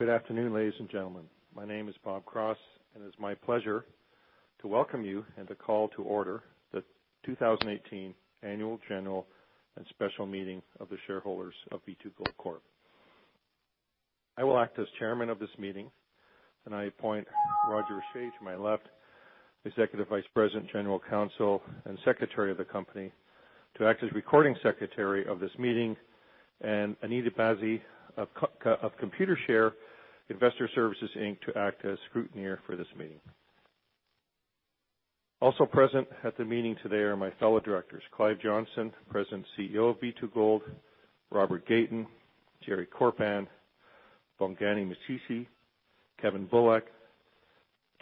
Good afternoon, ladies and gentlemen. My name is Bob Cross, and it's my pleasure to welcome you and to call to order the 2018 Annual General and Special Meeting of the shareholders of B2Gold Corp. I will act as Chairman of this meeting, and I appoint Roger Richer to my left, Executive Vice President, General Counsel, and Secretary of the company, to act as recording secretary of this meeting, and Anita Basi of Computershare Investor Services Inc. to act as scrutineer for this meeting. Also present at the meeting today are my fellow Directors, Clive Johnson, President, CEO of B2Gold, Robert Gayton, Jerry Korpan, Bongani Mtshisi, Kevin Bullock,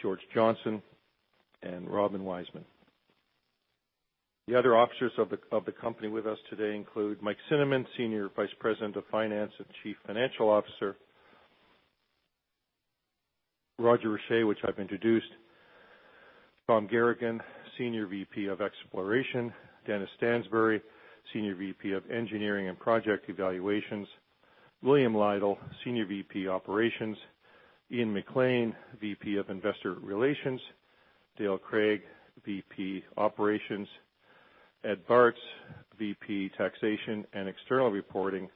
George Johnson, and Robin Weisman. The other officers of the company with us today include Mike Cinnamond, Senior Vice President of Finance and Chief Financial Officer, Roger Richer, which I've introduced, Tom Garagan, Senior VP of Exploration, Dennis Stansbury, Senior VP of Engineering and Project Evaluations, William Lytle, Senior VP Operations, Ian MacLean, VP of Investor Relations, Dale Craig, VP Operations, Ed Bartz, VP Taxation and External Reporting,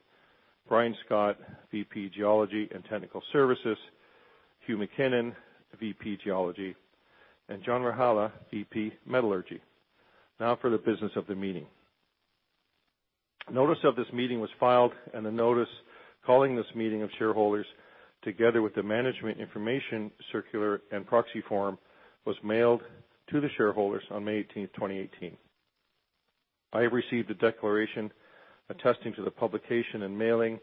Brian Scott, VP Geology and Technical Services, Hugh McKinnon, VP Geology, and John Rajala, VP Metallurgy. Now for the business of the meeting. Notice of this meeting was filed, a notice calling this meeting of shareholders, together with the management information circular and proxy form, was mailed to the shareholders on May 18th, 2018. I have received a declaration attesting to the publication and mailing,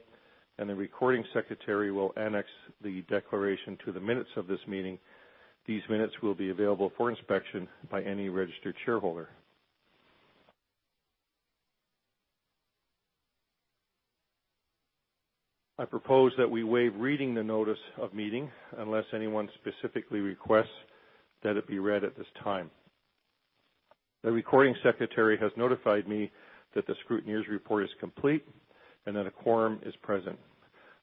and the recording secretary will annex the declaration to the minutes of this meeting. These minutes will be available for inspection by any registered shareholder. I propose that we waive reading the notice of meeting unless anyone specifically requests that it be read at this time. The recording secretary has notified me that the scrutineer's report is complete and that a quorum is present.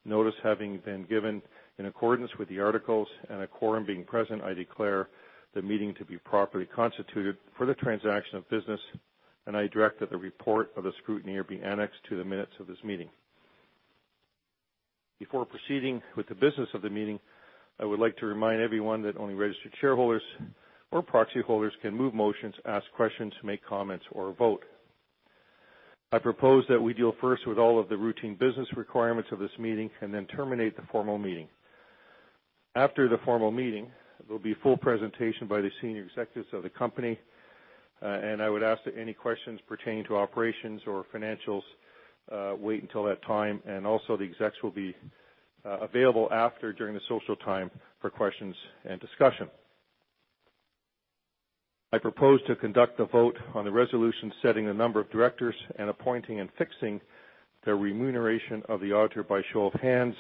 Notice having been given in accordance with the articles and a quorum being present, I declare the meeting to be properly constituted for the transaction of business, and I direct that the report of the scrutineer be annexed to the minutes of this meeting. Before proceeding with the business of the meeting, I would like to remind everyone that only registered shareholders or proxy holders can move motions, ask questions, make comments, or vote. I propose that we deal first with all of the routine business requirements of this meeting and then terminate the formal meeting. After the formal meeting, there'll be a full presentation by the senior executives of the company, and I would ask that any questions pertaining to operations or financials wait until that time. Also, the execs will be available after, during the social time for questions and discussion. I propose to conduct a vote on the resolution setting the number of Directors and appointing and fixing the remuneration of the auditor by show of hands,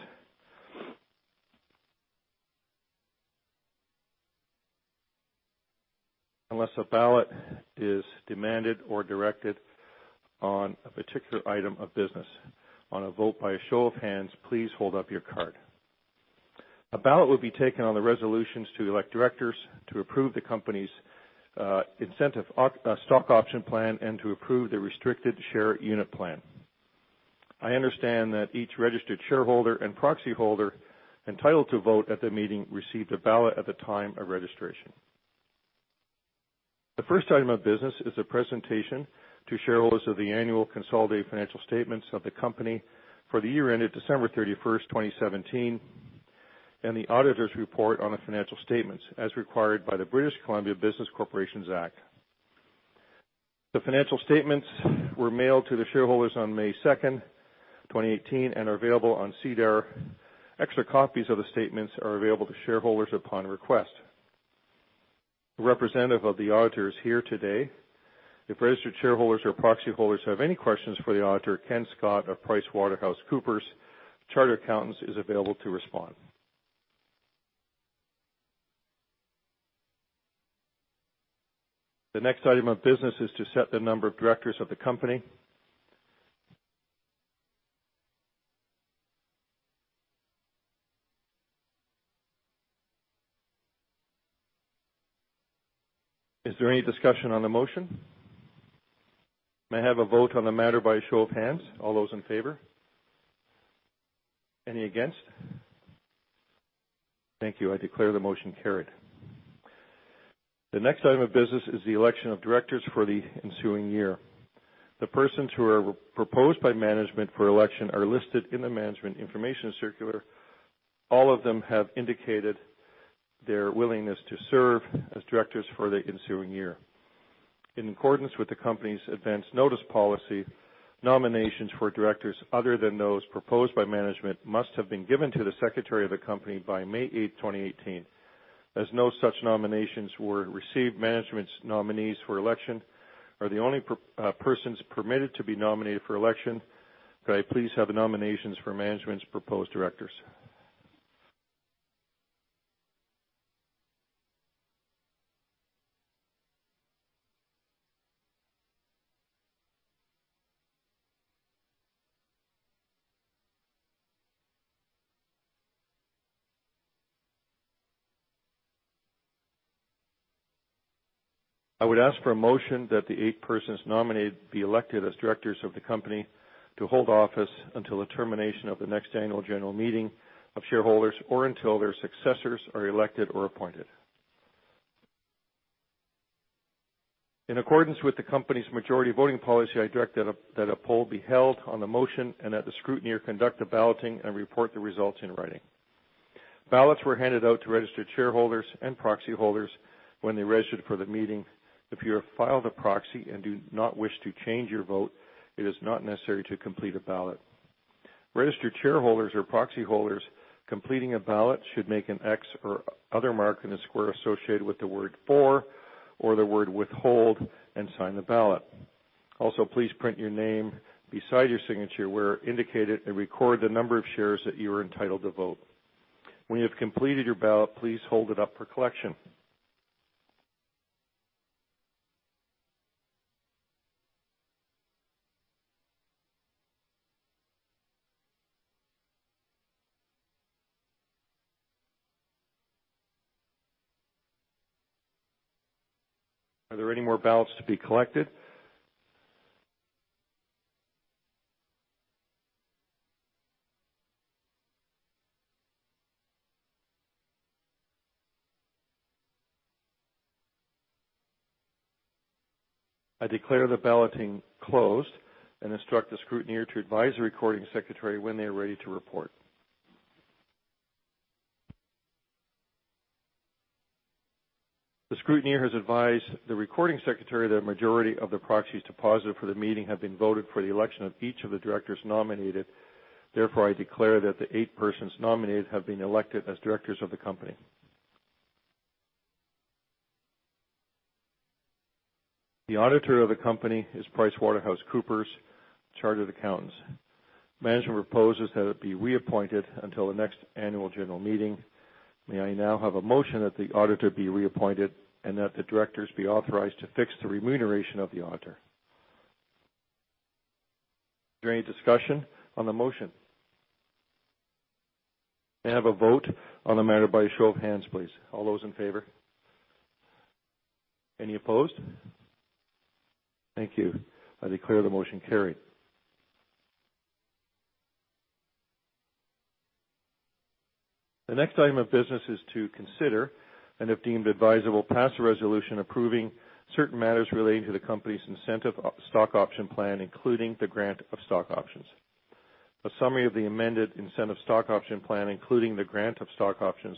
unless a ballot is demanded or directed on a particular item of business. On a vote by a show of hands, please hold up your card. A ballot will be taken on the resolutions to elect Directors to approve the company's incentive stock option plan and to approve the restricted share unit plan. I understand that each registered shareholder and proxy holder entitled to vote at the meeting received a ballot at the time of registration. The first item of business is a presentation to shareholders of the annual consolidated financial statements of the company for the year ended December 31st, 2017, and the auditor's report on the financial statements as required by the British Columbia Business Corporations Act. The financial statements were mailed to the shareholders on May 2nd, 2018, and are available on SEDAR. Extra copies of the statements are available to shareholders upon request. A representative of the auditor is here today. If registered shareholders or proxy holders have any questions for the auditor, Ken Scott of PricewaterhouseCoopers Chartered Accountants is available to respond. The next item of business is to set the number of directors of the company. Is there any discussion on the motion? May I have a vote on the matter by a show of hands? All those in favor? Any against? Thank you. I declare the motion carried. The next item of business is the election of directors for the ensuing year. The persons who are proposed by management for election are listed in the management information circular. All of them have indicated their willingness to serve as directors for the ensuing year. In accordance with the company's advance notice policy, nominations for directors other than those proposed by management must have been given to the secretary of the company by May 8th, 2018. As no such nominations were received, management's nominees for election are the only persons permitted to be nominated for election. Could I please have the nominations for management's proposed directors? I would ask for a motion that the eight persons nominated be elected as directors of the company to hold office until the termination of the next annual general meeting of shareholders, or until their successors are elected or appointed. In accordance with the company's majority voting policy, I direct that a poll be held on the motion and that the scrutineer conduct the balloting and report the results in writing. Ballots were handed out to registered shareholders and proxy holders when they registered for the meeting. If you have filed a proxy and do not wish to change your vote, it is not necessary to complete a ballot. Registered shareholders or proxy holders completing a ballot should make an X or other mark in a square associated with the word "for" or the word "withhold" and sign the ballot. Also, please print your name beside your signature where indicated, and record the number of shares that you are entitled to vote. When you have completed your ballot, please hold it up for collection. Are there any more ballots to be collected? I declare the balloting closed and instruct the scrutineer to advise the recording secretary when they are ready to report. The scrutineer has advised the recording secretary that a majority of the proxies deposited for the meeting have been voted for the election of each of the directors nominated. Therefore, I declare that the eight persons nominated have been elected as directors of the company. The auditor of the company is PricewaterhouseCoopers Chartered Accountants. Management proposes that it be reappointed until the next annual general meeting. May I now have a motion that the auditor be reappointed and that the directors be authorized to fix the remuneration of the auditor? Is there any discussion on the motion? May I have a vote on the matter by a show of hands, please? All those in favor? Any opposed? Thank you. I declare the motion carried. The next item of business is to consider, and if deemed advisable, pass a resolution approving certain matters relating to the company's incentive stock option plan, including the grant of stock options. A summary of the amended incentive stock option plan, including the grant of stock options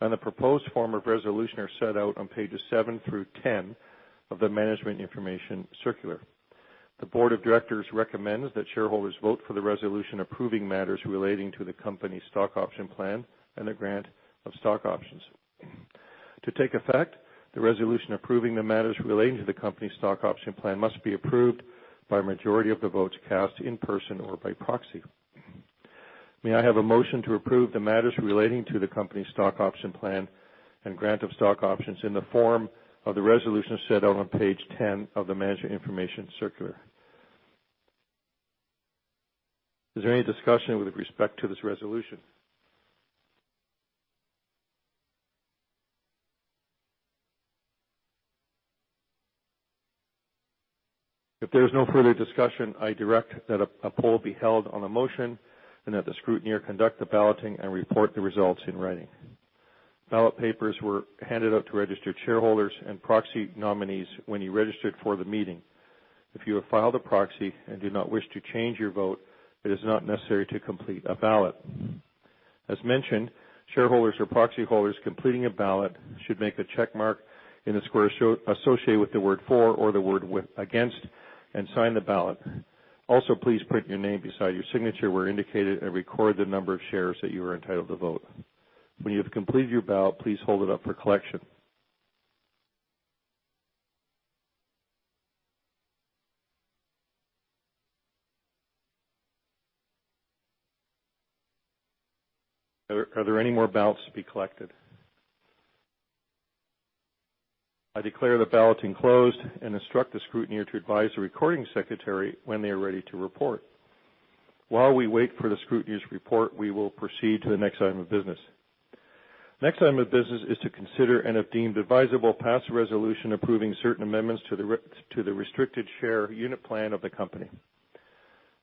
and the proposed form of resolution, are set out on pages seven through 10 of the management information circular. The board of directors recommends that shareholders vote for the resolution approving matters relating to the company's stock option plan and the grant of stock options. To take effect, the resolution approving the matters relating to the company's stock option plan must be approved by a majority of the votes cast in person or by proxy. May I have a motion to approve the matters relating to the company's stock option plan and grant of stock options in the form of the resolution set out on page 10 of the management information circular? Is there any discussion with respect to this resolution? If there is no further discussion, I direct that a poll be held on the motion and that the scrutineer conduct the balloting and report the results in writing. Ballot papers were handed out to registered shareholders and proxy nominees when you registered for the meeting. If you have filed a proxy and do not wish to change your vote, it is not necessary to complete a ballot. As mentioned, shareholders or proxy holders completing a ballot should make a check mark in the square associated with the word "for" or the word "against" and sign the ballot. Also, please print your name beside your signature where indicated, and record the number of shares that you are entitled to vote. When you have completed your ballot, please hold it up for collection. Are there any more ballots to be collected? I declare the balloting closed and instruct the scrutineer to advise the recording secretary when they are ready to report. While we wait for the scrutineer's report, we will proceed to the next item of business. The next item of business is to consider, and if deemed advisable, pass a resolution approving certain amendments to the restricted share unit plan of the company.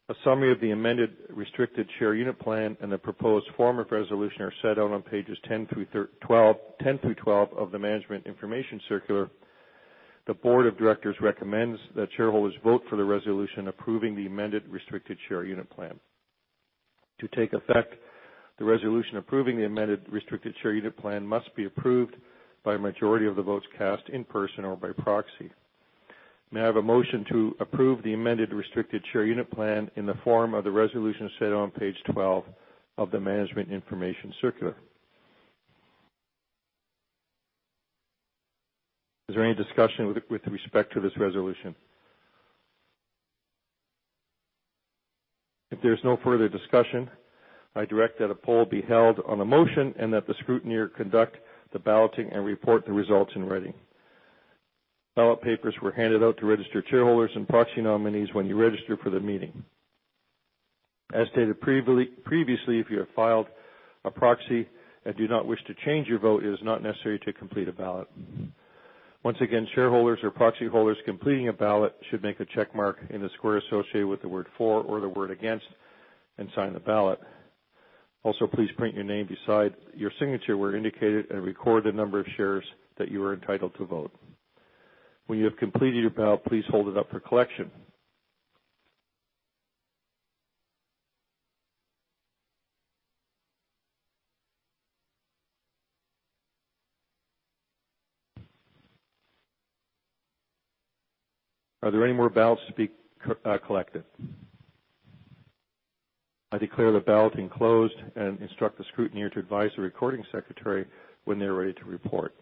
A summary of the amended restricted share unit plan and the proposed form of resolution are set out on pages 10 through 12 of the management information circular. The board of directors recommends that shareholders vote for the resolution approving the amended restricted share unit plan. To take effect, the resolution approving the amended restricted share unit plan must be approved by a majority of the votes cast in person or by proxy. May I have a motion to approve the amended restricted share unit plan in the form of the resolution set out on page 12 of the management information circular? Is there any discussion with respect to this resolution? If there's no further discussion, I direct that a poll be held on the motion and that the scrutineer conduct the balloting and report the results in writing. Ballot papers were handed out to registered shareholders and proxy nominees when you registered for the meeting. As stated previously, if you have filed a proxy and do not wish to change your vote, it is not necessary to complete a ballot. Once again, shareholders or proxy holders completing a ballot should make a check mark in the square associated with the word "for" or the word "against," and sign the ballot. Also, please print your name beside your signature where indicated, and record the number of shares that you are entitled to vote. When you have completed your ballot, please hold it up for collection. Are there any more ballots to be collected? I declare the balloting closed and instruct the scrutineer to advise the recording secretary when they're ready to report.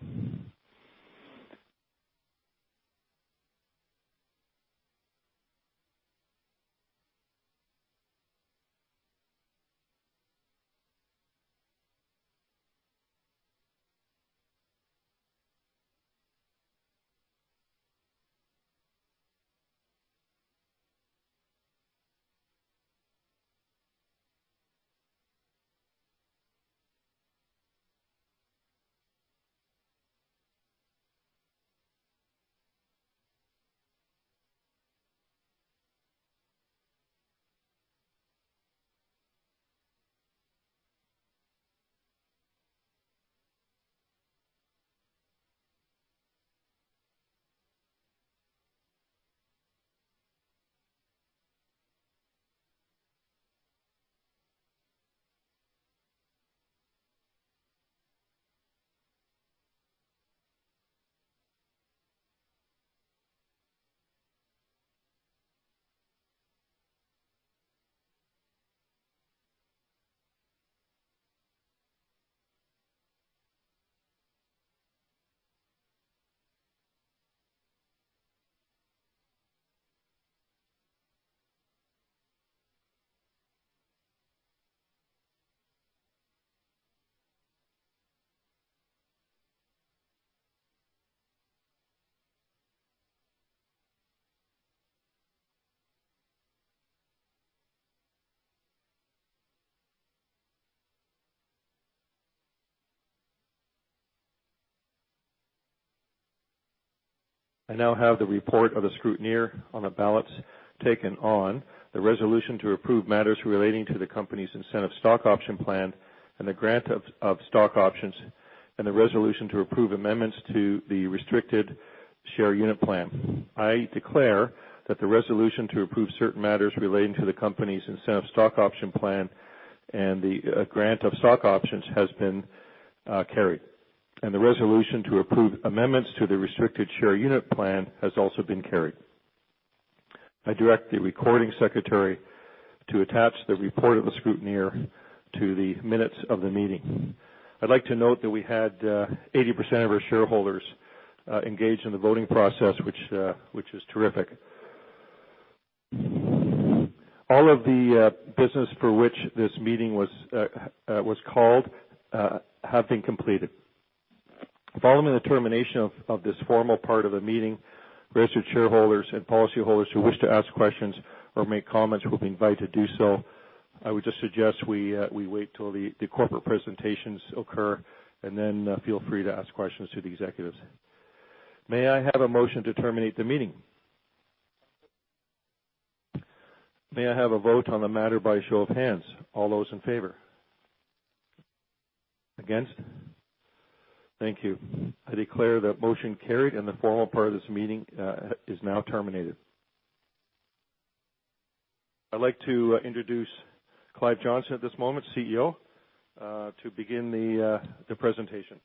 I now have the report of the scrutineer on the ballots taken on the resolution to approve matters relating to the company's incentive stock option plan, and the grant of stock options, and the resolution to approve amendments to the restricted share unit plan. I declare that the resolution to approve certain matters relating to the company's incentive stock option plan and the grant of stock options has been carried, and the resolution to approve amendments to the restricted share unit plan has also been carried. I direct the recording secretary to attach the report of the scrutineer to the minutes of the meeting. I'd like to note that we had 80% of our shareholders engaged in the voting process, which is terrific. All of the business for which this meeting was called have been completed. Following the termination of this formal part of the meeting, registered shareholders and proxy holders who wish to ask questions or make comments will be invited to do so. I would just suggest we wait till the corporate presentations occur and then feel free to ask questions to the executives. May I have a motion to terminate the meeting? May I have a vote on the matter by a show of hands? All those in favor? Against? Thank you. I declare that motion carried and the formal part of this meeting is now terminated. I'd like to introduce Clive Johnson at this moment, CEO, to begin the presentation.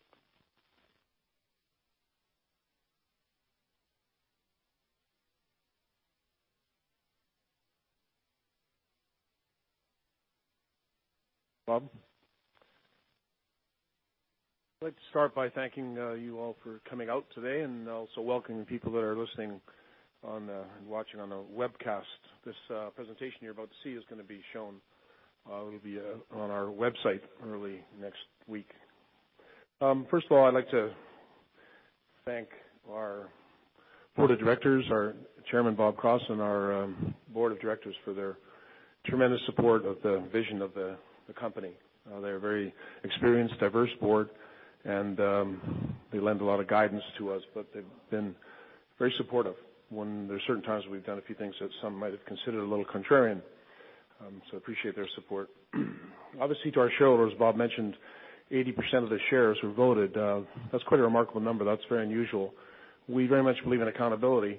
Bob. I'd like to start by thanking you all for coming out today and also welcoming people that are listening and watching on the webcast. This presentation you're about to see is going to be shown. It'll be on our website early next week. First of all, I'd like to thank our Board of Directors, our chairman, Bob Cross, and our Board of Directors for their tremendous support of the vision of the company. They're a very experienced, diverse board and they lend a lot of guidance to us, but they've been very supportive when there's certain times we've done a few things that some might have considered a little contrarian. Appreciate their support. To our shareholders, Bob mentioned 80% of the shares were voted. That's quite a remarkable number. That's very unusual. We very much believe in accountability,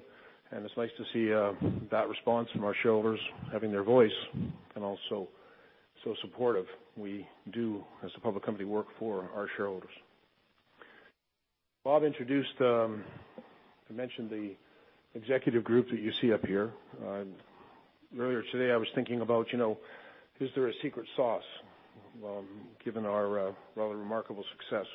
and it's nice to see that response from our shareholders having their voice and also so supportive. We do, as a public company, work for our shareholders. Bob introduced, I mentioned the executive group that you see up here. Earlier today, I was thinking about, is there a secret sauce given our rather remarkable success?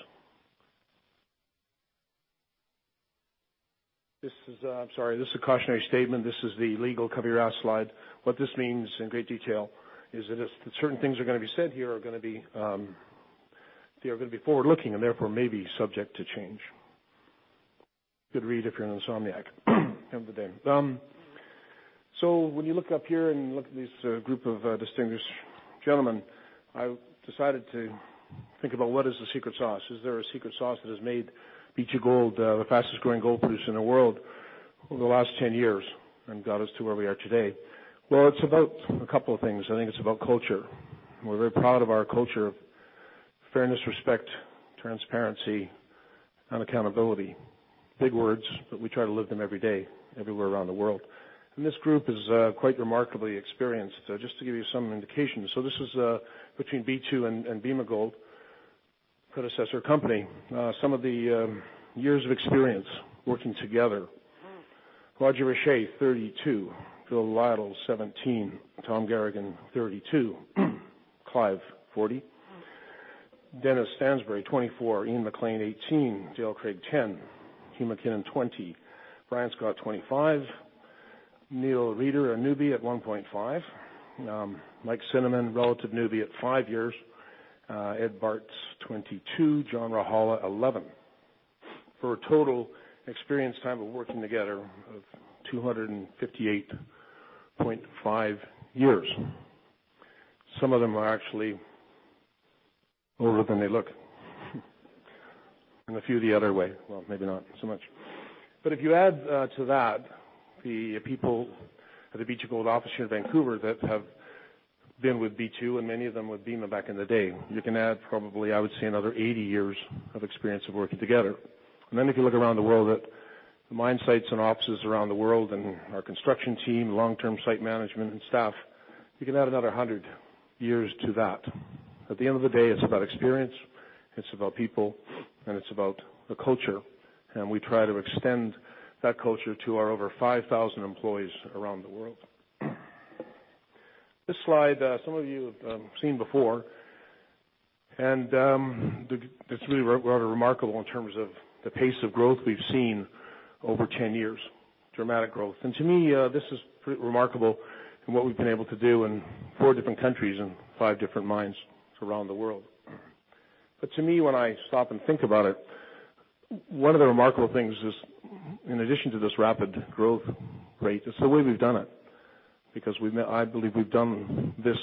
I'm sorry, this is a cautionary statement. This is the legal cover your ass slide. What this means in great detail is that if certain things are going to be said here are going to be forward-looking and therefore may be subject to change. Good read if you're an insomniac every day. When you look up here and look at this group of distinguished gentlemen, I decided to think about what is the secret sauce. Is there a secret sauce that has made B2Gold the fastest growing gold producer in the world over the last 10 years and got us to where we are today? It's about a couple of things. I think it's about culture. We're very proud of our culture of fairness, respect, transparency, and accountability. Big words, we try to live them every day everywhere around the world. This group is quite remarkably experienced. Just to give you some indication. This is between B2 and Bema Gold, predecessor company, some of the years of experience working together. Roger Richer, 32. Bill Lytle, 17. Tom Garagan, 32. Clive, 40. Dennis Stansbury, 24. Ian MacLean, 18. Dale Craig, 10. Hugh McKinnon, 20. Brian Scott, 25. Neil Reeder, a newbie at 1.5. Mike Cinnamond, relative newbie at five years. Ed Bartz, 22. John Rajala, 11. For a total experience time of working together of 258.5 years. Some of them are actually older than they look. A few the other way. Maybe not so much. If you add to that the people at the B2Gold office here in Vancouver that have been with B2, and many of them with Bema back in the day, you can add probably, I would say, another 80 years of experience of working together. If you look around the world at the mine sites and offices around the world and our construction team, long-term site management and staff, you can add another 100 years to that. At the end of the day, it's about experience, it's about people, and it's about the culture, we try to extend that culture to our over 5,000 employees around the world. This slide, some of you have seen before, it's really rather remarkable in terms of the pace of growth we've seen over 10 years, dramatic growth. To me, this is pretty remarkable in what we've been able to do in four different countries and five different mines around the world. To me, when I stop and think about it, one of the remarkable things is, in addition to this rapid growth rate, is the way we've done it. I believe we've done this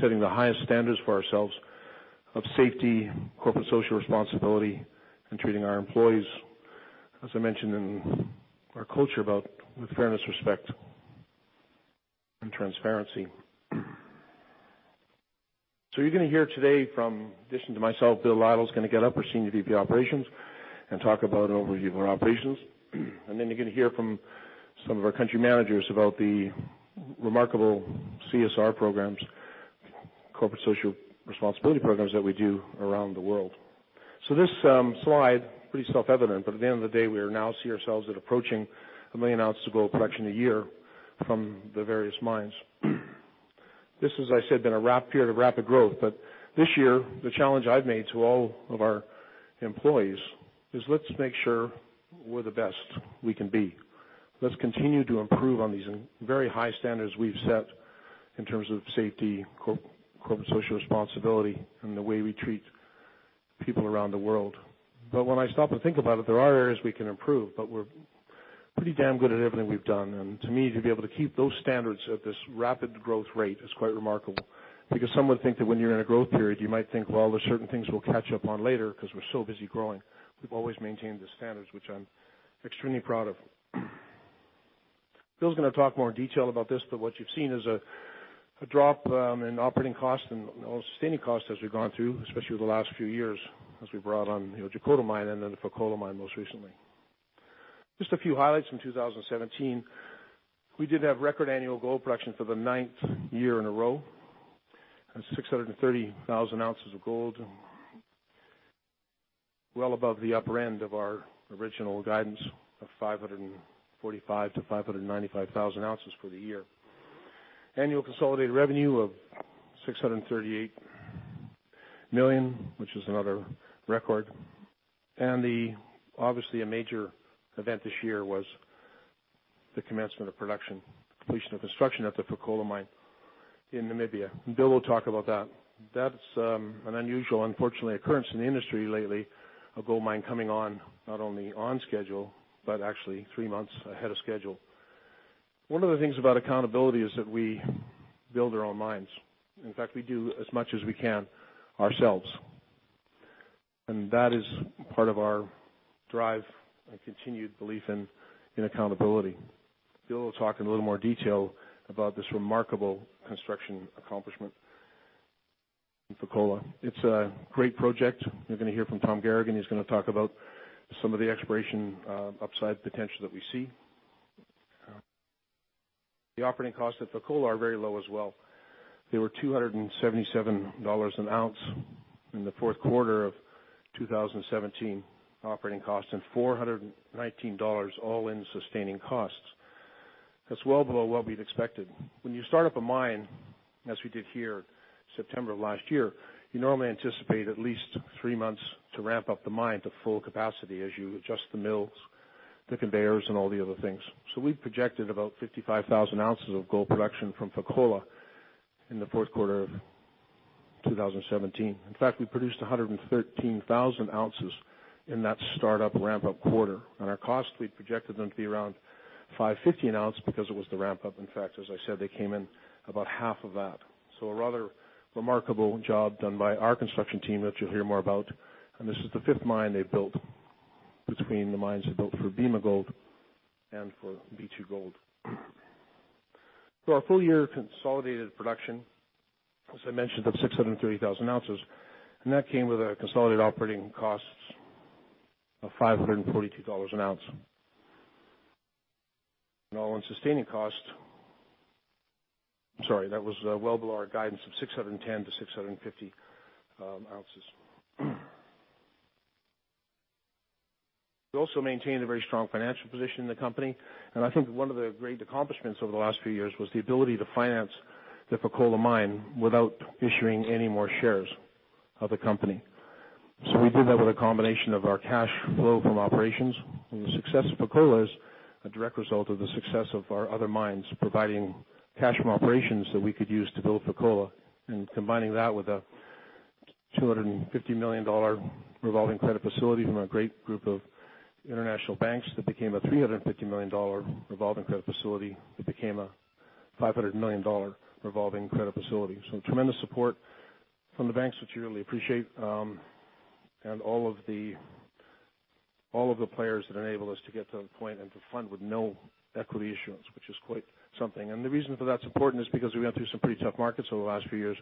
setting the highest standards for ourselves of safety, corporate social responsibility, and treating our employees, as I mentioned in our culture, about with fairness, respect, and transparency. You're going to hear today from, in addition to myself, Bill Lytle is going to get up, our Senior VP, Operations, and talk about an overview of our operations. You're going to hear from some of our country managers about the remarkable CSR programs, corporate social responsibility programs, that we do around the world. This slide, pretty self-evident, but at the end of the day, we now see ourselves at approaching 1 million ounces of gold production a year from the various mines. This has, as I said, been a period of rapid growth, but this year, the challenge I've made to all of our employees is let's make sure we're the best we can be. Let's continue to improve on these very high standards we've set in terms of safety, corporate social responsibility, and the way we treat people around the world. When I stop and think about it, there are areas we can improve, but we're pretty damn good at everything we've done. To me, to be able to keep those standards at this rapid growth rate is quite remarkable, because some would think that when you're in a growth period, you might think, well, there's certain things we'll catch up on later because we're so busy growing. We've always maintained the standards, which I'm extremely proud of. Bill's going to talk more in detail about this, but what you've seen is a drop in operating costs and all sustaining costs as we've gone through, especially over the last few years as we brought on the Otjikoto mine and then the Fekola mine most recently. Just a few highlights from 2017. We did have record annual gold production for the ninth year in a row. That's 630,000 ounces of gold, well above the upper end of our original guidance of 545,000-595,000 ounces for the year. Annual consolidated revenue of $638 million, which is another record. Obviously a major event this year was the commencement of production, completion of construction at the Fekola mine in Mali, and Bill will talk about that. That's an unusual, unfortunately, occurrence in the industry lately, a gold mine coming on not only on schedule, but actually 3 months ahead of schedule. One of the things about accountability is that we build our own mines. In fact, we do as much as we can ourselves. That is part of our drive and continued belief in accountability. Bill will talk in a little more detail about this remarkable construction accomplishment in Fekola. It's a great project. You're going to hear from Tom Garagan, who's going to talk about some of the exploration upside potential that we see. The operating costs at Fekola are very low as well. They were $277 an ounce in the fourth quarter of 2017 operating costs, and $419 all-in sustaining costs. That's well below what we'd expected. When you start up a mine, as we did here September of last year, you normally anticipate at least 3 months to ramp up the mine to full capacity as you adjust the mills, the conveyors and all the other things. We projected about 55,000 ounces of gold production from Fekola in the fourth quarter of 2017. In fact, we produced 113,000 ounces in that startup ramp-up quarter. Our costs, we'd projected them to be around $550 an ounce because it was the ramp-up. In fact, as I said, they came in about half of that. A rather remarkable job done by our construction team, which you'll hear more about, and this is the fifth mine they've built between the mines they built for Bema Gold and for B2Gold. Our full year consolidated production, as I mentioned, of 630,000 ounces, and that came with consolidated operating costs of $542 an ounce. All-in-sustaining costs, that was well below our guidance of 610-650 ounces. We also maintained a very strong financial position in the company, and I think one of the great accomplishments over the last few years was the ability to finance the Fekola mine without issuing any more shares of the company. We did that with a combination of our cash flow from operations, and the success of Fekola is a direct result of the success of our other mines providing cash from operations that we could use to build Fekola and combining that with a $250 million revolving credit facility from a great group of international banks that became a $350 million revolving credit facility. It became a $500 million revolving credit facility. Tremendous support from the banks, which we really appreciate, and all of the players that enable us to get to the point and to fund with no equity issuance, which is quite something. The reason for that support is because we went through some pretty tough markets over the last few years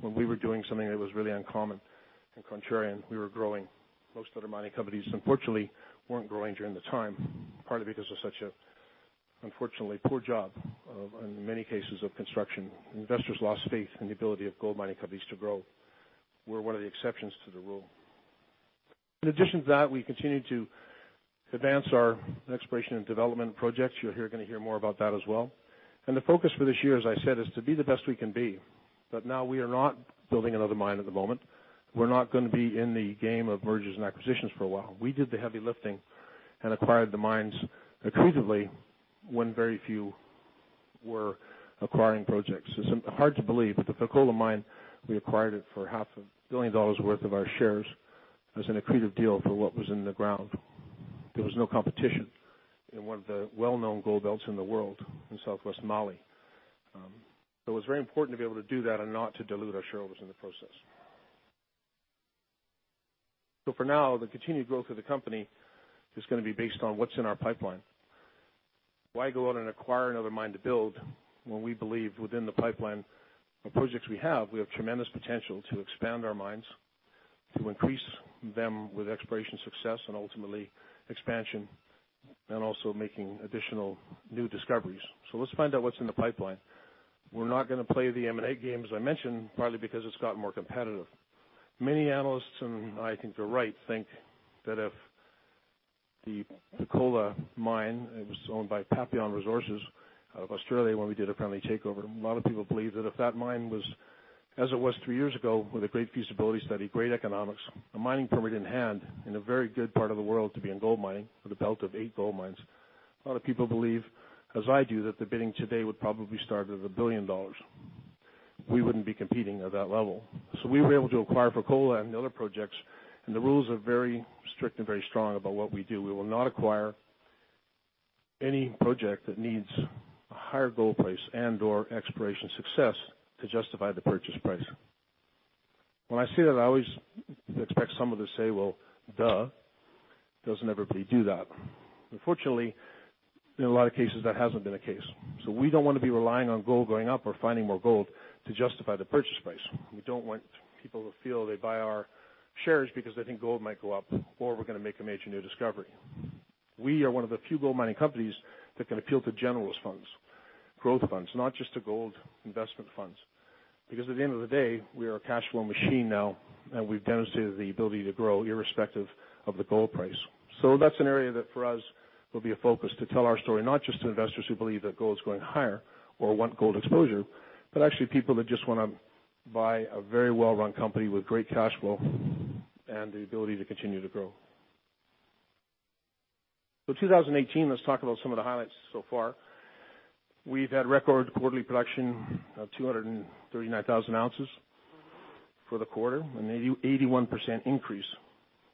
when we were doing something that was really uncommon and contrarian. We were growing. Most other mining companies, unfortunately, weren't growing during the time, partly because of such an unfortunately poor job of, in many cases of construction. Investors lost faith in the ability of gold mining companies to grow. We're one of the exceptions to the rule. In addition to that, we continued to advance our exploration and development projects. You're going to hear more about that as well. The focus for this year, as I said, is to be the best we can be. Now we are not building another mine at the moment. We're not going to be in the game of mergers and acquisitions for a while. We did the heavy lifting and acquired the mines accretively when very few were acquiring projects. This is hard to believe, the Fekola mine, we acquired it for half a billion dollars worth of our shares as an accretive deal for what was in the ground. There was no competition in one of the well-known gold belts in the world, in southwest Mali. It was very important to be able to do that and not to dilute our shareholders in the process. For now, the continued growth of the company is going to be based on what's in our pipeline. Why go out and acquire another mine to build when we believe within the pipeline of projects we have, we have tremendous potential to expand our mines, to increase them with exploration success, and ultimately expansion and also making additional new discoveries? Let's find out what's in the pipeline. We're not going to play the M&A game, as I mentioned, partly because it's gotten more competitive. Many analysts, and I think they're right, think that if the Fekola mine, it was owned by Papillon Resources out of Australia when we did a friendly takeover, a lot of people believe that if that mine was as it was three years ago, with a great feasibility study, great economics, a mining permit in hand, in a very good part of the world to be in gold mining, with a belt of eight gold mines, a lot of people believe, as I do, that the bidding today would probably start at $1 billion. We wouldn't be competing at that level. We were able to acquire Fekola and the other projects, and the rules are very strict and very strong about what we do. We will not acquire any project that needs a higher gold price and/or exploration success to justify the purchase price. When I say that, I always expect some of you to say, "Well, duh, doesn't everybody do that?" Unfortunately, in a lot of cases, that hasn't been a case. We don't want to be relying on gold going up or finding more gold to justify the purchase price. We don't want people to feel they buy our shares because they think gold might go up or we're going to make a major new discovery. We are one of the few gold mining companies that can appeal to generalist funds, growth funds, not just to gold investment funds. At the end of the day, we are a cash flow machine now, and we've demonstrated the ability to grow irrespective of the gold price. That's an area that for us will be a focus to tell our story, not just to investors who believe that gold's going higher or want gold exposure, but actually people that just want to buy a very well-run company with great cash flow and the ability to continue to grow. 2018, let's talk about some of the highlights so far. We've had record quarterly production of 239,000 ounces for the quarter, an 81% increase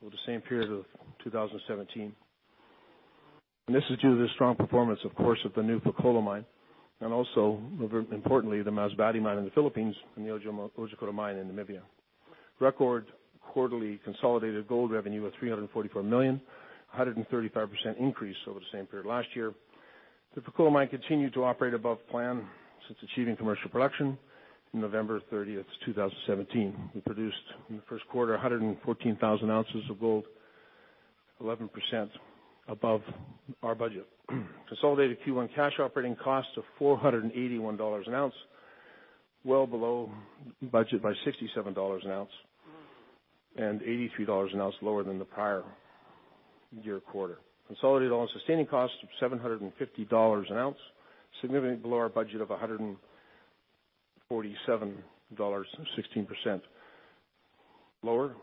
over the same period of 2017. This is due to the strong performance, of course, of the new Fekola mine and also, very importantly, the Masbate mine in the Philippines and the Otjikoto mine in Namibia. Record quarterly consolidated gold revenue of $344 million, 135% increase over the same period last year. The Fekola mine continued to operate above plan since achieving commercial production in November 30th, 2017. We produced in the first quarter 114,000 ounces of gold, 11% above our budget. Consolidated Q1 cash operating costs of $481 an ounce, well below budget by $67 an ounce and $83 an ounce lower than the prior year quarter. Consolidated all-in sustaining costs of $750 an ounce, significantly below our budget of $147, 16%. Lower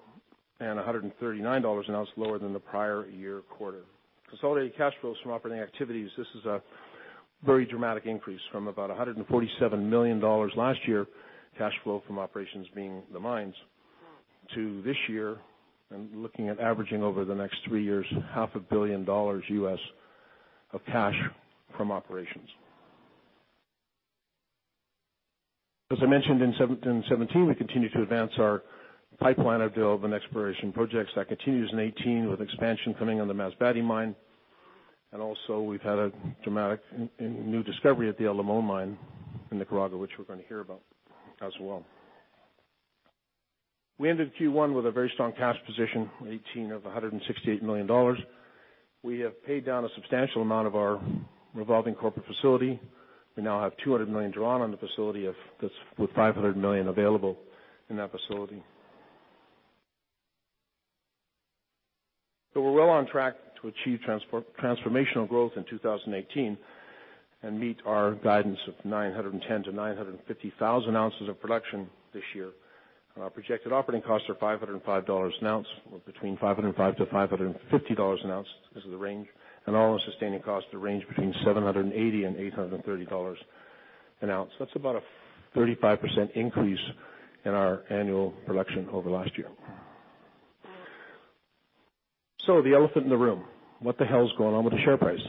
and $139 an ounce lower than the prior year quarter. Consolidated cash flows from operating activities. This is a very dramatic increase from about $147 million last year, cash flow from operations being the mines. To this year and looking at averaging over the next three years, $500 million of cash from operations. As I mentioned, in 2017, we continued to advance our pipeline of development exploration projects. That continues in 2018 with expansion coming on the Masbate mine, also we've had a dramatic new discovery at the El Limon mine in Nicaragua, which we're going to hear about as well. We ended Q1 with a very strong cash position in 2018 of $168 million. We have paid down a substantial amount of our revolving corporate facility. We now have $200 million drawn on the facility with $500 million available in that facility. We're well on track to achieve transformational growth in 2018 and meet our guidance of 910,000 to 950,000 ounces of production this year. Our projected operating costs are $505 an ounce or between $505 and $550 an ounce. This is the range. All-in sustaining costs to range between $780 and $830 an ounce. That's about a 35% increase in our annual production over last year. The elephant in the room, what the hell is going on with the share price?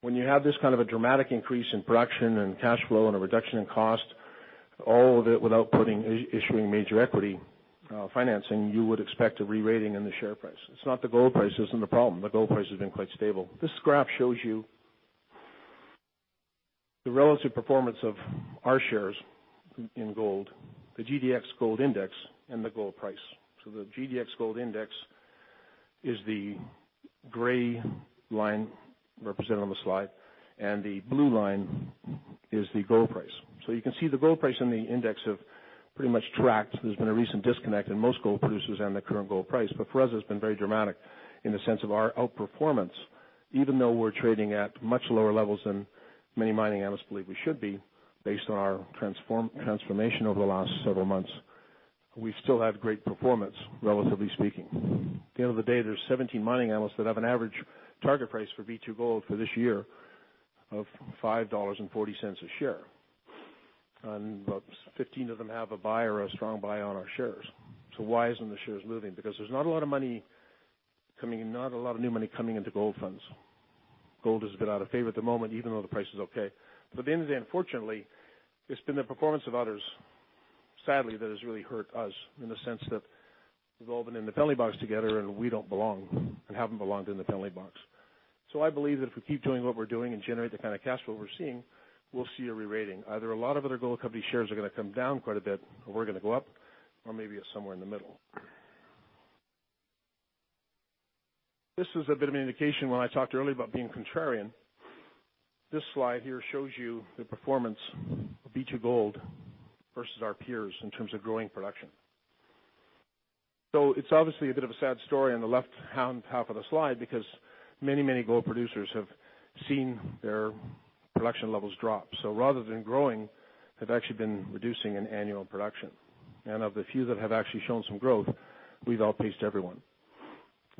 When you have this kind of a dramatic increase in production and cash flow and a reduction in cost, all of it without issuing major equity financing, you would expect a re-rating in the share price. It's not the gold price, isn't the problem. The gold price has been quite stable. This graph shows you the relative performance of our shares in gold, the GDX Gold Index, and the gold price. The GDX Gold Index is the gray line represented on the slide, and the blue line is the gold price. You can see the gold price and the index have pretty much tracked. There's been a recent disconnect in most gold producers and the current gold price, for us, it's been very dramatic in the sense of our outperformance, even though we're trading at much lower levels than many mining analysts believe we should be based on our transformation over the last several months. We still have great performance, relatively speaking. At the end of the day, there's 17 mining analysts that have an average target price for B2Gold for this year of $5.40 a share. About 15 of them have a buy or a strong buy on our shares. Why isn't the shares moving? Because there's not a lot of new money coming into gold funds. Gold is a bit out of favor at the moment, even though the price is okay. At the end of the day, unfortunately, it's been the performance of others, sadly, that has really hurt us in the sense that we've all been in the penalty box together and we don't belong and haven't belonged in the penalty box. I believe that if we keep doing what we're doing and generate the kind of cash flow we're seeing, we'll see a re-rating. Either a lot of other gold company shares are going to come down quite a bit and we're going to go up, or maybe it's somewhere in the middle. This is a bit of an indication when I talked earlier about being contrarian. This slide here shows you the performance of B2Gold versus our peers in terms of growing production. It's obviously a bit of a sad story on the left-hand half of the slide because many gold producers have seen their production levels drop. Rather than growing, they've actually been reducing in annual production. Of the few that have actually shown some growth, we've outpaced everyone.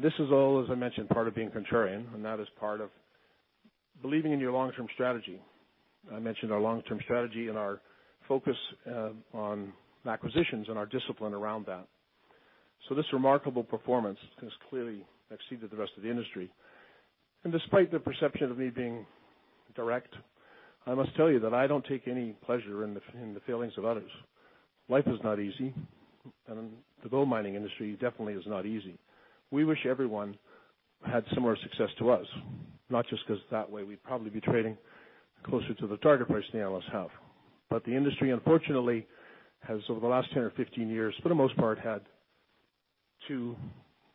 This is all, as I mentioned, part of being contrarian, and that is part of believing in your long-term strategy. I mentioned our long-term strategy and our focus on acquisitions and our discipline around that. This remarkable performance has clearly exceeded the rest of the industry. Despite the perception of me being direct, I must tell you that I don't take any pleasure in the failings of others. Life is not easy, and the gold mining industry definitely is not easy. We wish everyone had similar success to us, not just because that way we'd probably be trading closer to the target price the analysts have. The industry, unfortunately, has over the last 10 or 15 years, for the most part, had two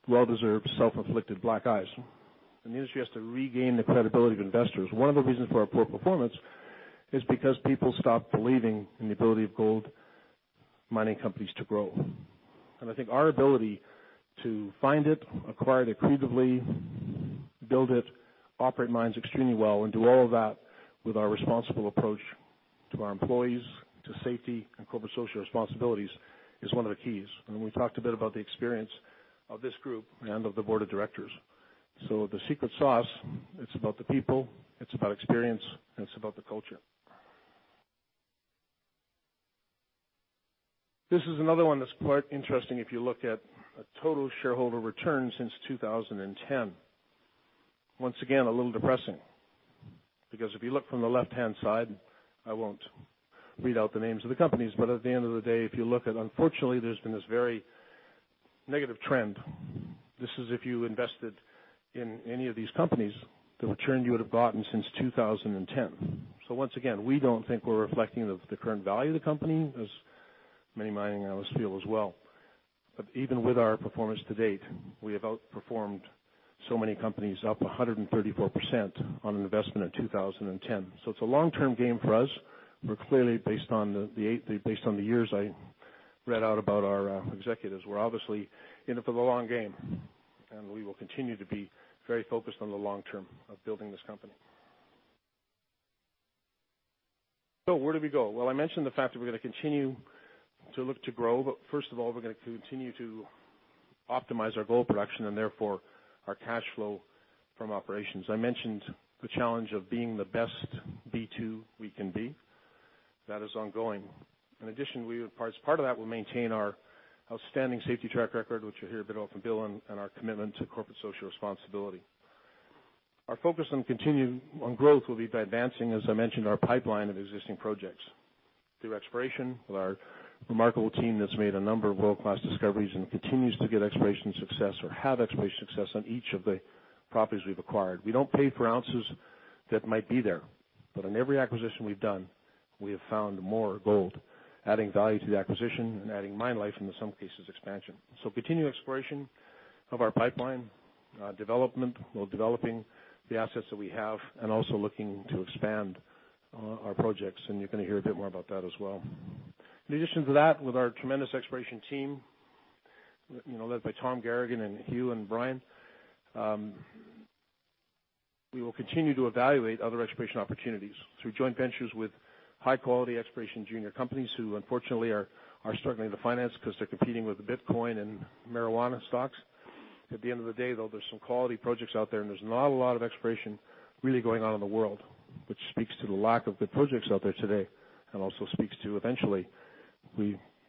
well-deserved self-afflicted black eyes, and the industry has to regain the credibility of investors. One of the reasons for our poor performance is because people stopped believing in the ability of gold mining companies to grow. I think our ability to find it, acquire it accretively, build it, operate mines extremely well, and do all of that with our responsible approach to our employees, to safety and corporate social responsibilities is one of the keys. We talked a bit about the experience of this group and of the board of directors. The secret sauce, it's about the people, it's about experience, and it's about the culture. This is another one that's quite interesting if you look at a total shareholder return since 2010. Once again, a little depressing, because if you look from the left-hand side, I won't read out the names of the companies, but at the end of the day, if you look at, unfortunately, there's been this very negative trend. This is if you invested in any of these companies, the return you would have gotten since 2010. Once again, we don't think we're reflecting the current value of the company as many mining analysts feel as well. Even with our performance to date, we have outperformed so many companies up 134% on an investment in 2010. It's a long-term game for us. We're clearly based on the years I read out about our executives. We're obviously in it for the long game, and we will continue to be very focused on the long term of building this company. Where do we go? I mentioned the fact that we're going to continue to look to grow, first of all, we're going to continue to optimize our gold production and therefore our cash flow from operations. I mentioned the challenge of being the best B2 we can be. That is ongoing. In addition, as part of that, we'll maintain our outstanding safety track record, which you'll hear a bit of from Bill, and our commitment to corporate social responsibility. Our focus on growth will be by advancing, as I mentioned, our pipeline of existing projects through exploration with our remarkable team that's made a number of world-class discoveries and continues to get exploration success or have exploration success on each of the properties we've acquired. We don't pay for ounces that might be there, but in every acquisition we've done, we have found more gold, adding value to the acquisition and adding mine life and in some cases, expansion. Continued exploration of our pipeline development while developing the assets that we have and also looking to expand our projects, and you're going to hear a bit more about that as well. In addition to that, with our tremendous exploration team, led by Tom Garagan and Hugh and Brian, we will continue to evaluate other exploration opportunities through joint ventures with high-quality exploration junior companies who unfortunately are struggling to finance because they're competing with Bitcoin and marijuana stocks. At the end of the day, though, there's some quality projects out there, and there's not a lot of exploration really going on in the world, which speaks to the lack of good projects out there today and also speaks to eventually,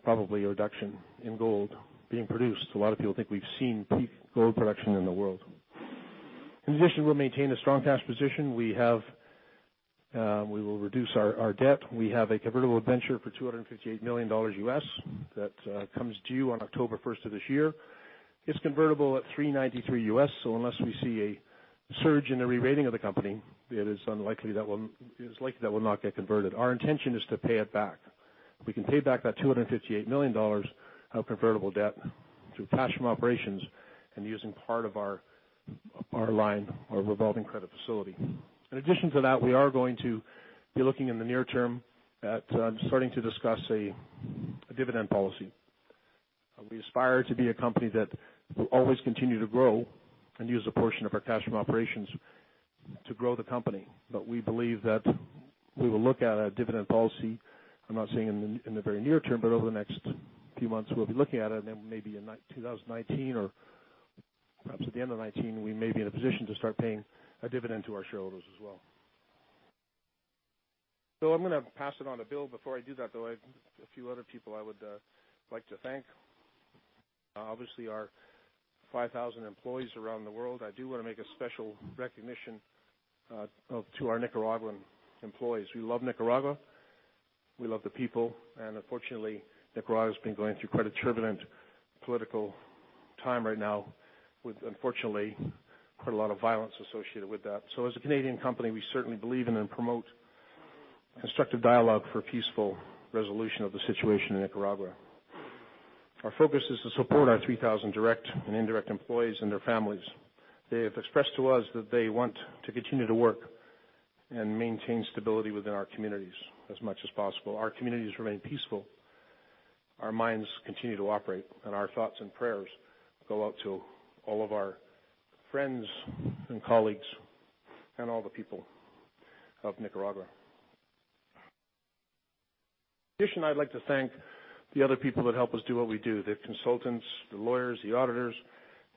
probably a reduction in gold being produced. A lot of people think we've seen peak gold production in the world. In addition, we'll maintain a strong cash position. We will reduce our debt. We have a convertible venture for $258 million that comes due on October 1st of this year. It's convertible at $393, unless we see a surge in the re-rating of the company, it is likely that will not get converted. Our intention is to pay it back. We can pay back that $258 million of convertible debt through cash from operations and using part of our line, our revolving credit facility. In addition to that, we are going to be looking in the near term at starting to discuss a dividend policy. We aspire to be a company that will always continue to grow and use a portion of our cash from operations to grow the company. We believe that we will look at a dividend policy, I'm not saying in the very near term, but over the next few months, we'll be looking at it, and then maybe in 2019 or perhaps at the end of 2019, we may be in a position to start paying a dividend to our shareholders as well. I'm going to pass it on to Bill. Before I do that, though, a few other people I would like to thank. Obviously, our 5,000 employees around the world. I do want to make a special recognition to our Nicaraguan employees. We love Nicaragua. We love the people, and unfortunately, Nicaragua has been going through quite a turbulent political time right now with, unfortunately, quite a lot of violence associated with that. As a Canadian company, we certainly believe in and promote constructive dialogue for a peaceful resolution of the situation in Nicaragua. Our focus is to support our 3,000 direct and indirect employees and their families. They have expressed to us that they want to continue to work and maintain stability within our communities as much as possible. Our communities remain peaceful, our mines continue to operate, and our thoughts and prayers go out to all of our friends and colleagues and all the people of Nicaragua. In addition, I'd like to thank the other people that help us do what we do, the consultants, the lawyers, the auditors,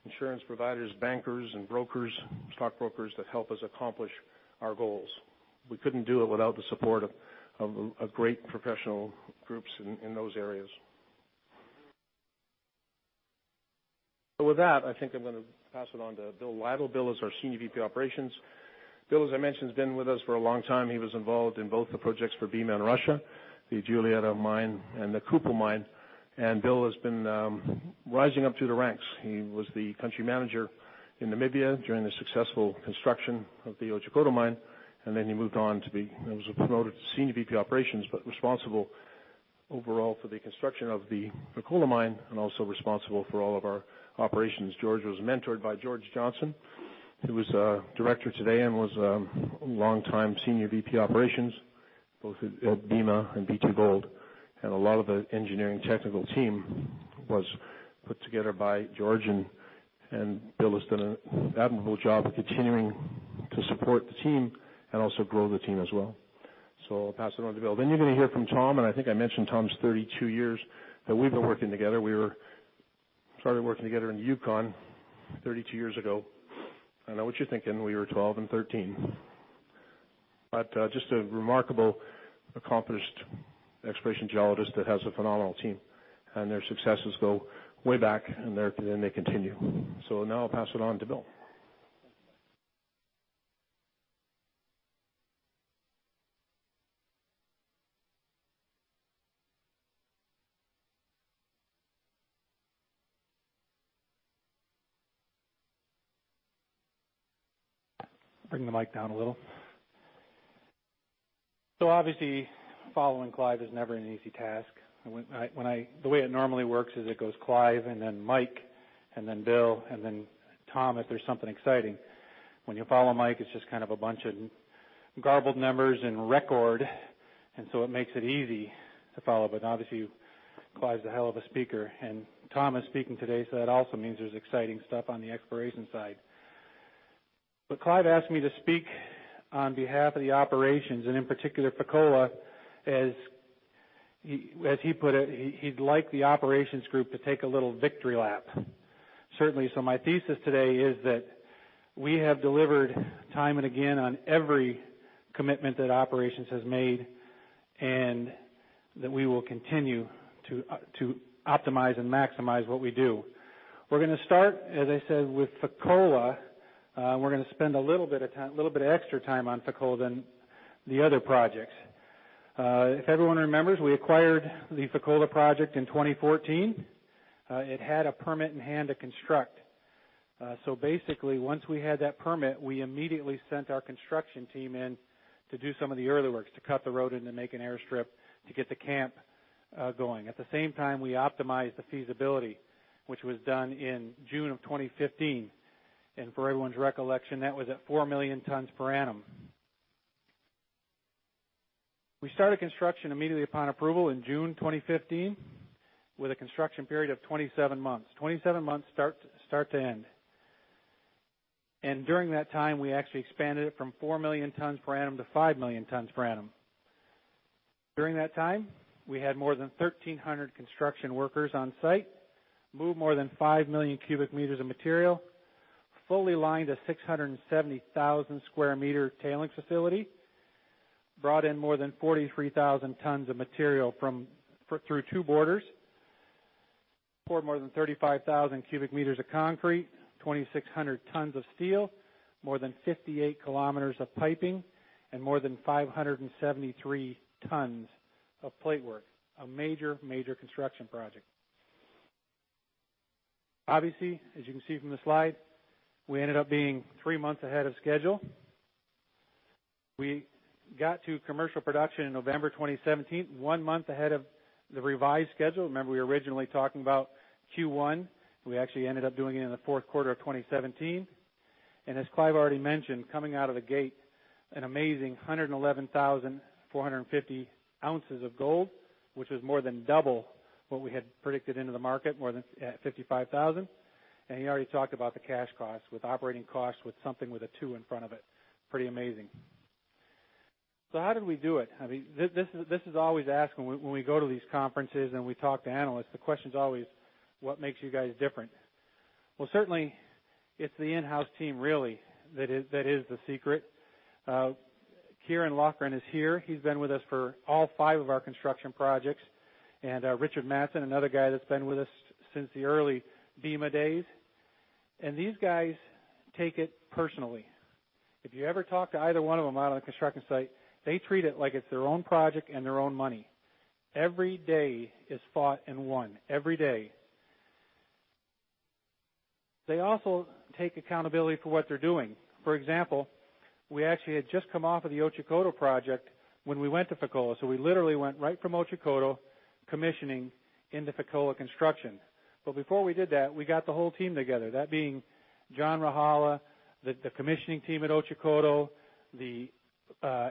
insurance providers, bankers and brokers, stockbrokers that help us accomplish our goals. We couldn't do it without the support of great professional groups in those areas. With that, I think I'm going to pass it on to Bill Lytle. Bill is our Senior VP, Operations. Bill, as I mentioned, has been with us for a long time. He was involved in both the projects for Bema in Russia, the Julietta mine, and the Kupol mine, and Bill has been rising up through the ranks. He was the country manager in Namibia during the successful construction of the Otjikoto mine, and then he moved on to be, and was promoted to Senior VP, Operations, but responsible overall for the construction of the Fekola mine and also responsible for all of our operations. George was mentored by George Johnson, who is a Director today and was a long-time Senior VP, Operations, both at Bema and B2Gold, and a lot of the engineering technical team was put together by George and Bill has done an admirable job of continuing to support the team and also grow the team as well. I'll pass it on to Bill. You're going to hear from Tom, and I think I mentioned Tom's 32 years that we've been working together. We started working together in Yukon 32 years ago. I know what you're thinking, we were 12 and 13. Just a remarkable accomplished exploration geologist that has a phenomenal team, and their successes go way back, and they continue. Now I'll pass it on to Bill. Bring the mic down a little. Obviously, following Clive is never an easy task. The way it normally works is it goes Clive and then Mike and then Bill and then Tom if there's something exciting. When you follow Mike, it's just a bunch of garbled numbers and record, it makes it easy to follow. Obviously, Clive's a hell of a speaker, and Tom is speaking today, that also means there's exciting stuff on the exploration side. Clive asked me to speak on behalf of the operations, and in particular Fekola. As he put it, he'd like the operations group to take a little victory lap. Certainly, my thesis today is that we have delivered time and again on every commitment that operations has made, and that we will continue to optimize and maximize what we do. We're going to start, as I said, with Fekola. We're going to spend a little bit of extra time on Fekola than the other projects. If everyone remembers, we acquired the Fekola project in 2014. It had a permit in hand to construct. Once we had that permit, we immediately sent our construction team in to do some of the early works, to cut the road and to make an airstrip to get the camp going. At the same time, we optimized the feasibility, which was done in June of 2015. For everyone's recollection, that was at 4 million tons per annum. We started construction immediately upon approval in June 2015, with a construction period of 27 months. 27 months start to end. During that time, we actually expanded it from 4 million tons per annum to 5 million tons per annum. During that time, we had more than 1,300 construction workers on site, moved more than 5 million cubic meters of material, fully lined a 670,000 square meter tailings facility, brought in more than 43,000 tons of material through two borders. Poured more than 35,000 cubic meters of concrete, 2,600 tons of steel, more than 58 kilometers of piping, and more than 573 tons of plate work. A major construction project. Obviously, as you can see from the slide, we ended up being three months ahead of schedule. We got to commercial production in November 2017, one month ahead of the revised schedule. Remember, we were originally talking about Q1. We actually ended up doing it in the fourth quarter of 2017. As Clive already mentioned, coming out of the gate, an amazing 111,450 ounces of gold, which was more than double what we had predicted into the market, more than at $55,000. He already talked about the cash costs, with operating costs with something with a 2 in front of it. Pretty amazing. How did we do it? This is always asked when we go to these conferences and we talk to analysts. The question's always, "What makes you guys different?" Certainly it's the in-house team really, that is the secret. Kieran Loughran is here. He's been with us for all five of our construction projects. Richard Matson, another guy that's been with us since the early Bema days. These guys take it personally. If you ever talk to either one of them out on a construction site, they treat it like it's their own project and their own money. Every day is fought and won, every day. They also take accountability for what they're doing. We actually had just come off of the Otjikoto project when we went to Fekola, so we literally went right from Otjikoto commissioning into Fekola construction. Before we did that, we got the whole team together, that being John Rajala, the commissioning team at Otjikoto, the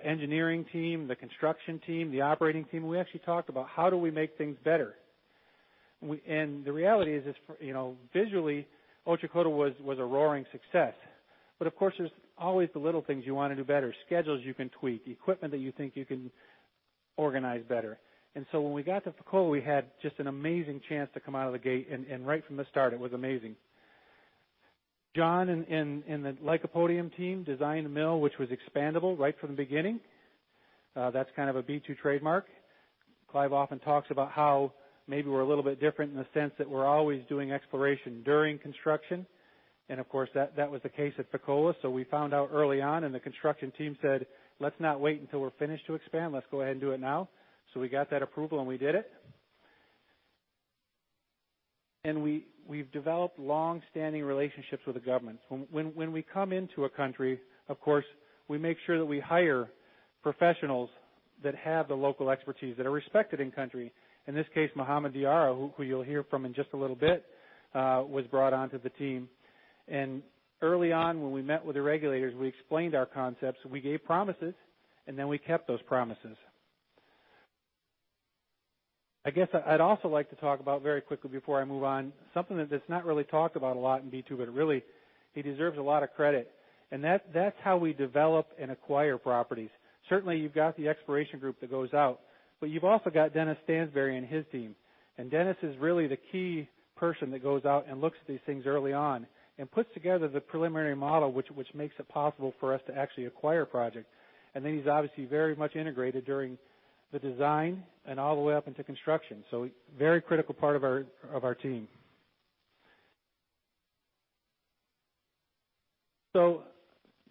engineering team, the construction team, the operating team. We actually talked about how do we make things better? The reality is visually, Otjikoto was a roaring success. Of course, there's always the little things you want to do better. Schedules you can tweak, equipment that you think you can organize better. When we got to Fekola, we had just an amazing chance to come out of the gate and right from the start, it was amazing. John and the Lycopodium team designed a mill which was expandable right from the beginning. That's kind of a B2 trademark. Clive often talks about how maybe we're a little bit different in the sense that we're always doing exploration during construction. Of course, that was the case at Fekola. We found out early on and the construction team said, "Let's not wait until we're finished to expand. Let's go ahead and do it now." We got that approval, we did it. We've developed long-standing relationships with the government. When we come into a country, of course, we make sure that we hire professionals that have the local expertise, that are respected in country. In this case, Mohamed Diarra, who you'll hear from in just a little bit, was brought onto the team. Early on when we met with the regulators, we explained our concepts and we gave promises, we kept those promises. I guess I'd also like to talk about very quickly before I move on, something that's not really talked about a lot in B2, but really, he deserves a lot of credit, that's how we develop and acquire properties. Certainly, you've got the exploration group that goes out, but you've also got Dennis Stansbury and his team. Dennis is really the key person that goes out and looks at these things early on and puts together the preliminary model, which makes it possible for us to actually acquire a project. He's obviously very much integrated during the design and all the way up into construction. A very critical part of our team.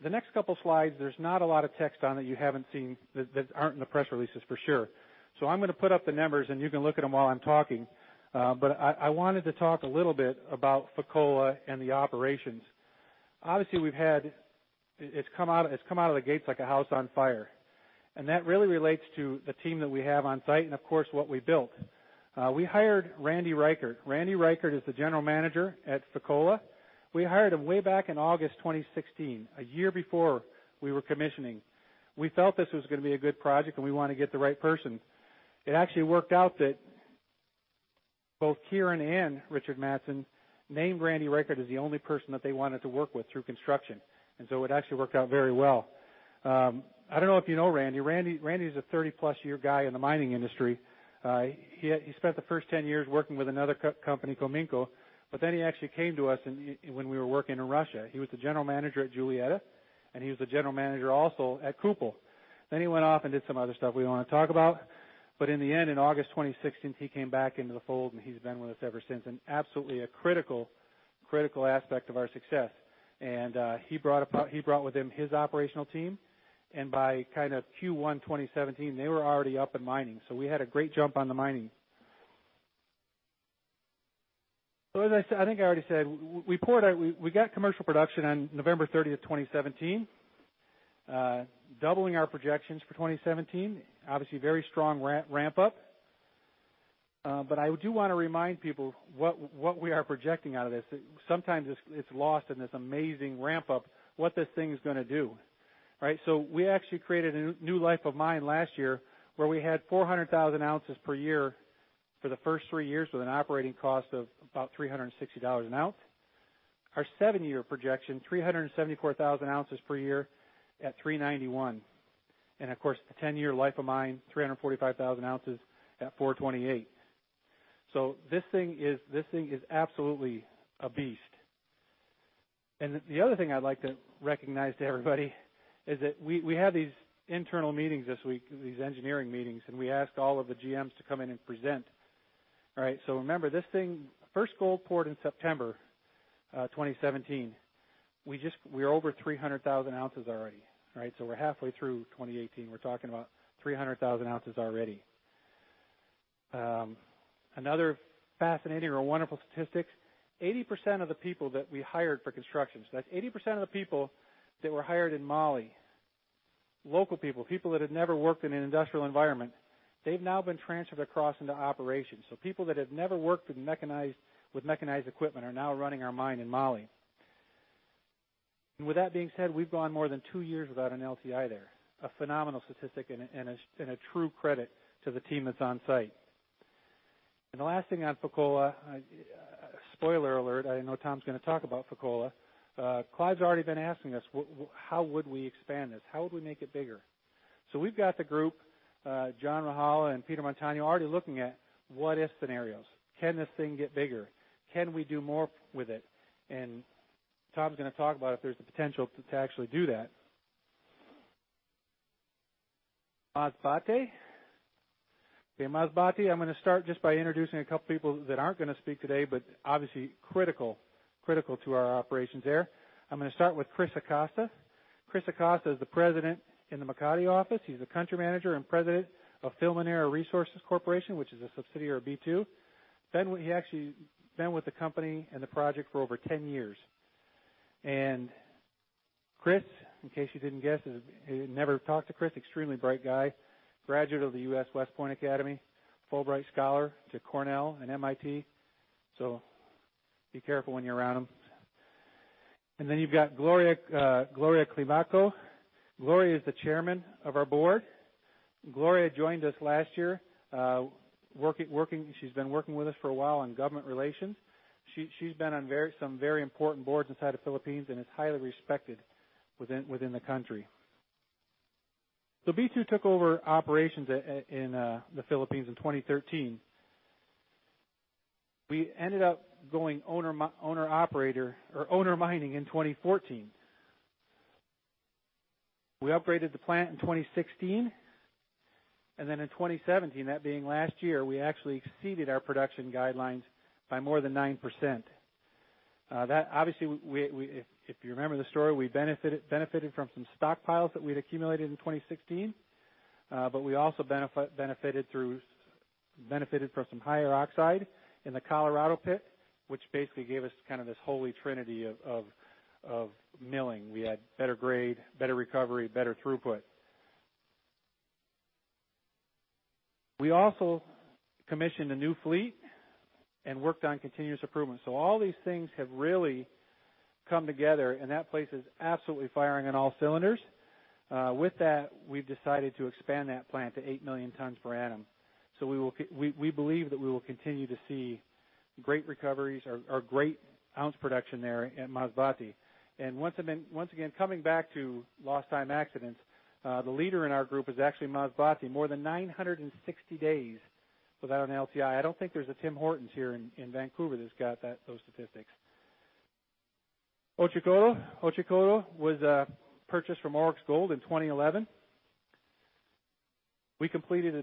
The next couple slides, there's not a lot of text on that you haven't seen, that aren't in the press releases for sure. I'm going to put up the numbers, and you can look at them while I'm talking. I wanted to talk a little bit about Fekola and the operations. Obviously, it's come out of the gates like a house on fire, and that really relates to the team that we have on site and of course what we built. We hired Randy Reichert. Randy Reichert is the general manager at Fekola. We hired him way back in August 2016, a year before we were commissioning. We felt this was going to be a good project and we want to get the right person. It actually worked out that both Kieran and Richard Matson named Randy Reichert as the only person that they wanted to work with through construction, it actually worked out very well. I don't know if you know Randy. Randy is a 30-plus year guy in the mining industry. He spent the first 10 years working with another company, Cominco, he actually came to us when we were working in Russia. He was the general manager at Julietta, and he was the general manager also at Kupol. he went off and did some other stuff we don't want to talk about, in the end, in August 2016, he came back into the fold, he's been with us ever since, absolutely a critical aspect of our success. He brought with him his operational team, by Q1 2017, they were already up and mining. We had a great jump on the mining. As I said, I think I already said, we got commercial production on November 30th, 2017, doubling our projections for 2017. Obviously, a very strong ramp up. I do want to remind people what we are projecting out of this. Sometimes it's lost in this amazing ramp up, what this thing's going to do. We actually created a new life of mine last year, where we had 400,000 ounces per year for the first three years with an operating cost of about $360 an ounce. Our seven-year projection, 374,000 ounces per year at $391. Of course, the 10-year life of mine, 345,000 ounces at $428. This thing is absolutely a beast. The other thing I'd like to recognize to everybody, is that we had these internal meetings this week, these engineering meetings, we asked all of the GMs to come in and present. Remember, this thing, first gold poured in September 2017. We're over 300,000 ounces already. We're halfway through 2018. We're talking about 300,000 ounces already. Another fascinating or wonderful statistic, 80% of the people that we hired for construction, that's 80% of the people that were hired in Mali, local people that had never worked in an industrial environment, they've now been transferred across into operations. People that have never worked with mechanized equipment are now running our mine in Mali. With that being said, we've gone more than two years without an LTI there. A phenomenal statistic and a true credit to the team that's on site. The last thing on Fekola, a spoiler alert, I know Tom's going to talk about Fekola. Clive's already been asking us, how would we expand this? How would we make it bigger? We've got the group, John Rajala and Peter Montano, already looking at what if scenarios. Can this thing get bigger? Can we do more with it? Tom's going to talk about if there's the potential to actually do that. Masbate. In Masbate, I'm going to start just by introducing a couple people that aren't going to speak today, but obviously critical to our operations there. I'm going to start with Cris Acosta. Cris Acosta is the President in the Makati office. He's the Country Manager and President of Filminera Resources Corporation, which is a subsidiary of B2. He actually has been with the company and the project for over 10 years. Cris, in case you didn't guess, have never talked to Cris, extremely bright guy, graduate of the U.S. West Point Academy, Fulbright Scholar to Cornell and MIT. Be careful when you're around him. Then you've got Gloria Climaco. Gloria is the Chairman of our board. Gloria joined us last year. She's been working with us for a while on government relations. She's been on some very important boards inside of Philippines and is highly respected within the country. B2 took over operations in the Philippines in 2013. We ended up going owner mining in 2014. We upgraded the plant in 2016, and then in 2017, that being last year, we actually exceeded our production guidelines by more than 9%. That, obviously, if you remember the story, we benefited from some stockpiles that we'd accumulated in 2016, but we also benefited from some higher oxide in the Colorado pit, which basically gave us this holy trinity of milling. We had better grade, better recovery, better throughput. We also commissioned a new fleet and worked on continuous improvement. All these things have really come together, and that place is absolutely firing on all cylinders. With that, we've decided to expand that plant to 8 million tons per annum. We believe that we will continue to see great recoveries or great ounce production there at Masbate. Once again, coming back to lost time accidents, the leader in our group is actually Masbate, more than 960 days without an LTI. I don't think there's a Tim Hortons here in Vancouver that's got those statistics. Otjikoto. Otjikoto was purchased from Auryx Gold in 2011. We completed a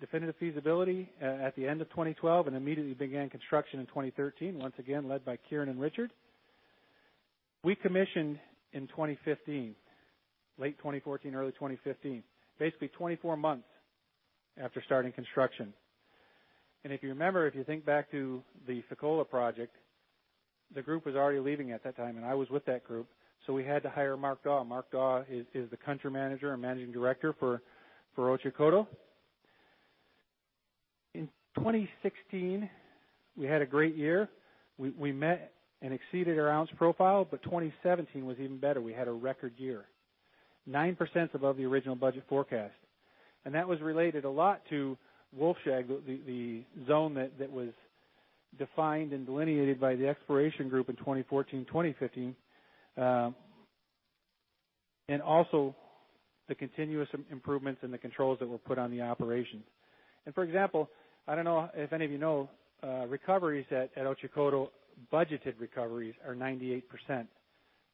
definitive feasibility at the end of 2012 and immediately began construction in 2013, once again, led by Kieran and Richard. We commissioned in 2015, late 2014, early 2015, basically 24 months after starting construction. If you remember, if you think back to the Fekola project, the group was already leaving at that time, and I was with that group, so we had to hire Mark Dawe. Mark Dawe is the country manager and managing director for Otjikoto. In 2016, we had a great year. We met and exceeded our ounce profile, 2017 was even better. We had a record year. 9% above the original budget forecast. That was related a lot to Wolfshag, the zone that was defined and delineated by the exploration group in 2014-2015, and also the continuous improvements in the controls that were put on the operations. For example, I don't know if any of you know, recoveries at Otjikoto, budgeted recoveries, are 98%.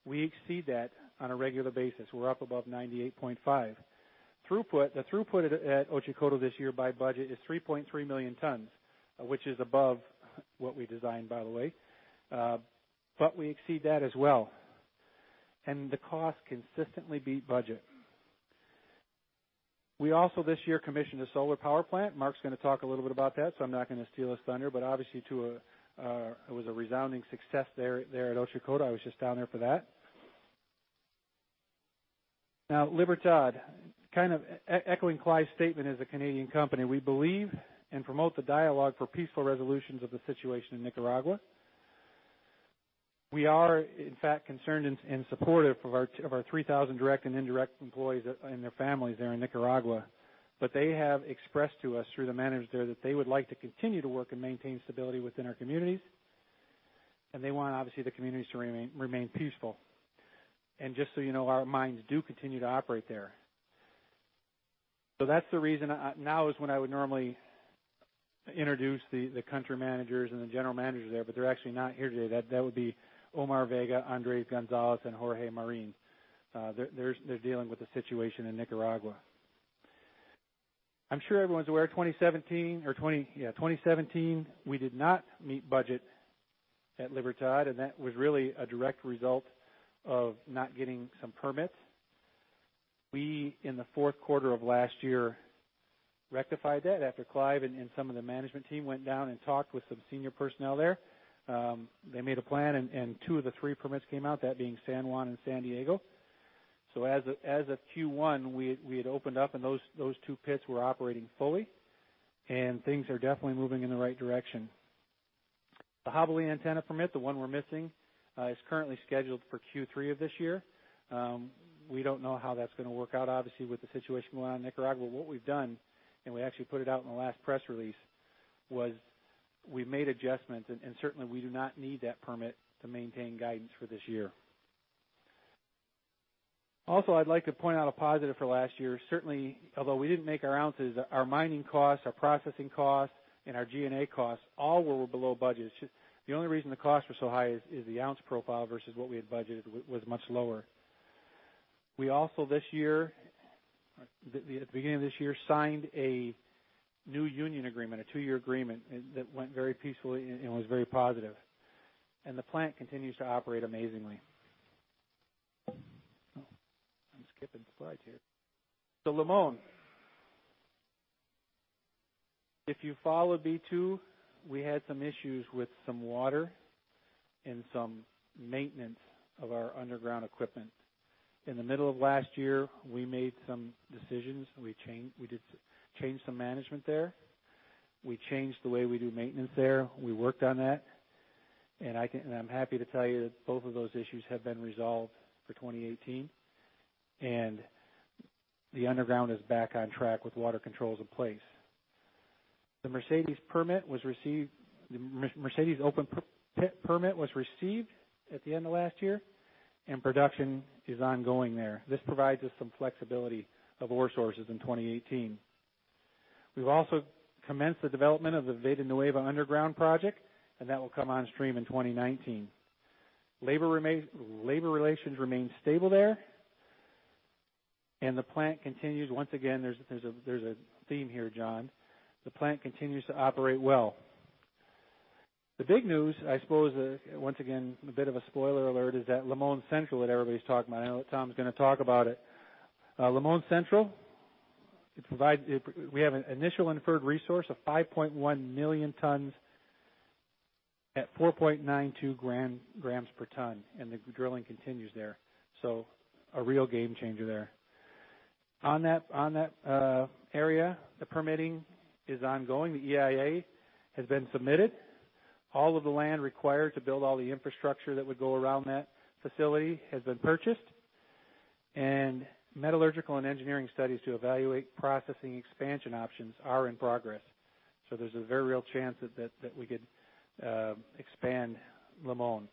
We exceed that on a regular basis. We're up above 98.5%. Throughput. The throughput at Otjikoto this year by budget is 3.3 million tons, which is above what we designed, by the way. We exceed that as well. The cost consistently beat budget. We also this year commissioned a solar power plant. Mark's going to talk a little bit about that, I'm not going to steal his thunder, but obviously it was a resounding success there at Otjikoto. I was just down there for that. Now, Libertad. Kind of echoing Clive's statement, as a Canadian company, we believe and promote the dialogue for peaceful resolutions of the situation in Nicaragua. We are, in fact, concerned and supportive of our 3,000 direct and indirect employees and their families there in Nicaragua. They have expressed to us through the managers there that they would like to continue to work and maintain stability within our communities, and they want, obviously, the communities to remain peaceful. Just so you know, our mines do continue to operate there. That's the reason. Now is when I would normally introduce the country managers and the general managers there, but they're actually not here today. That would be Omar Vega, Andrés González, and Jorge Marin. They're dealing with the situation in Nicaragua. I'm sure everyone's aware, 2017, we did not meet budget at Libertad, and that was really a direct result of not getting some permits. We in the fourth quarter of last year rectified that after Clive and some of the management team went down and talked with some senior personnel there. They made a plan, and two of the three permits came out, that being San Juan and San Diego. As of Q1, we had opened up and those two pits were operating fully, and things are definitely moving in the right direction. The Jabali Antena permit, the one we're missing, is currently scheduled for Q3 of this year. We don't know how that's going to work out, obviously, with the situation going on in Nicaragua. What we've done, and we actually put it out in the last press release, was we made adjustments, and certainly we do not need that permit to maintain guidance for this year. Also, I'd like to point out a positive for last year. Certainly, although we didn't make our ounces, our mining costs, our processing costs, and our G&A costs all were below budget. The only reason the costs were so high is the ounce profile versus what we had budgeted was much lower. We also at the beginning of this year signed a new union agreement, a two-year agreement, that went very peacefully and was very positive. The plant continues to operate amazingly. I'm skipping slides here. Limon. If you follow B2, we had some issues with some water and some maintenance of our underground equipment. In the middle of last year, we made some decisions. We changed some management there. We changed the way we do maintenance there. We worked on that, and I'm happy to tell you that both of those issues have been resolved for 2018, and the underground is back on track with water controls in place. The Mercedes open pit permit was received at the end of last year, and production is ongoing there. This provides us some flexibility of ore sources in 2018. We've also commenced the development of the Veta Nueva Underground project, and that will come on stream in 2019. Labor relations remain stable there. The plant continues, once again, there's a theme here, John. The plant continues to operate well. The big news, I suppose, once again, a bit of a spoiler alert, is that Limon Central that everybody's talking about. I know that Tom's going to talk about it. Limon Central, we have an initial inferred resource of 5.1 million tons at 4.92 grams per ton, and the drilling continues there. A real game changer there. On that area, the permitting is ongoing. The EIA has been submitted. All of the land required to build all the infrastructure that would go around that facility has been purchased. Metallurgical and engineering studies to evaluate processing expansion options are in progress. There's a very real chance that we could expand Limon.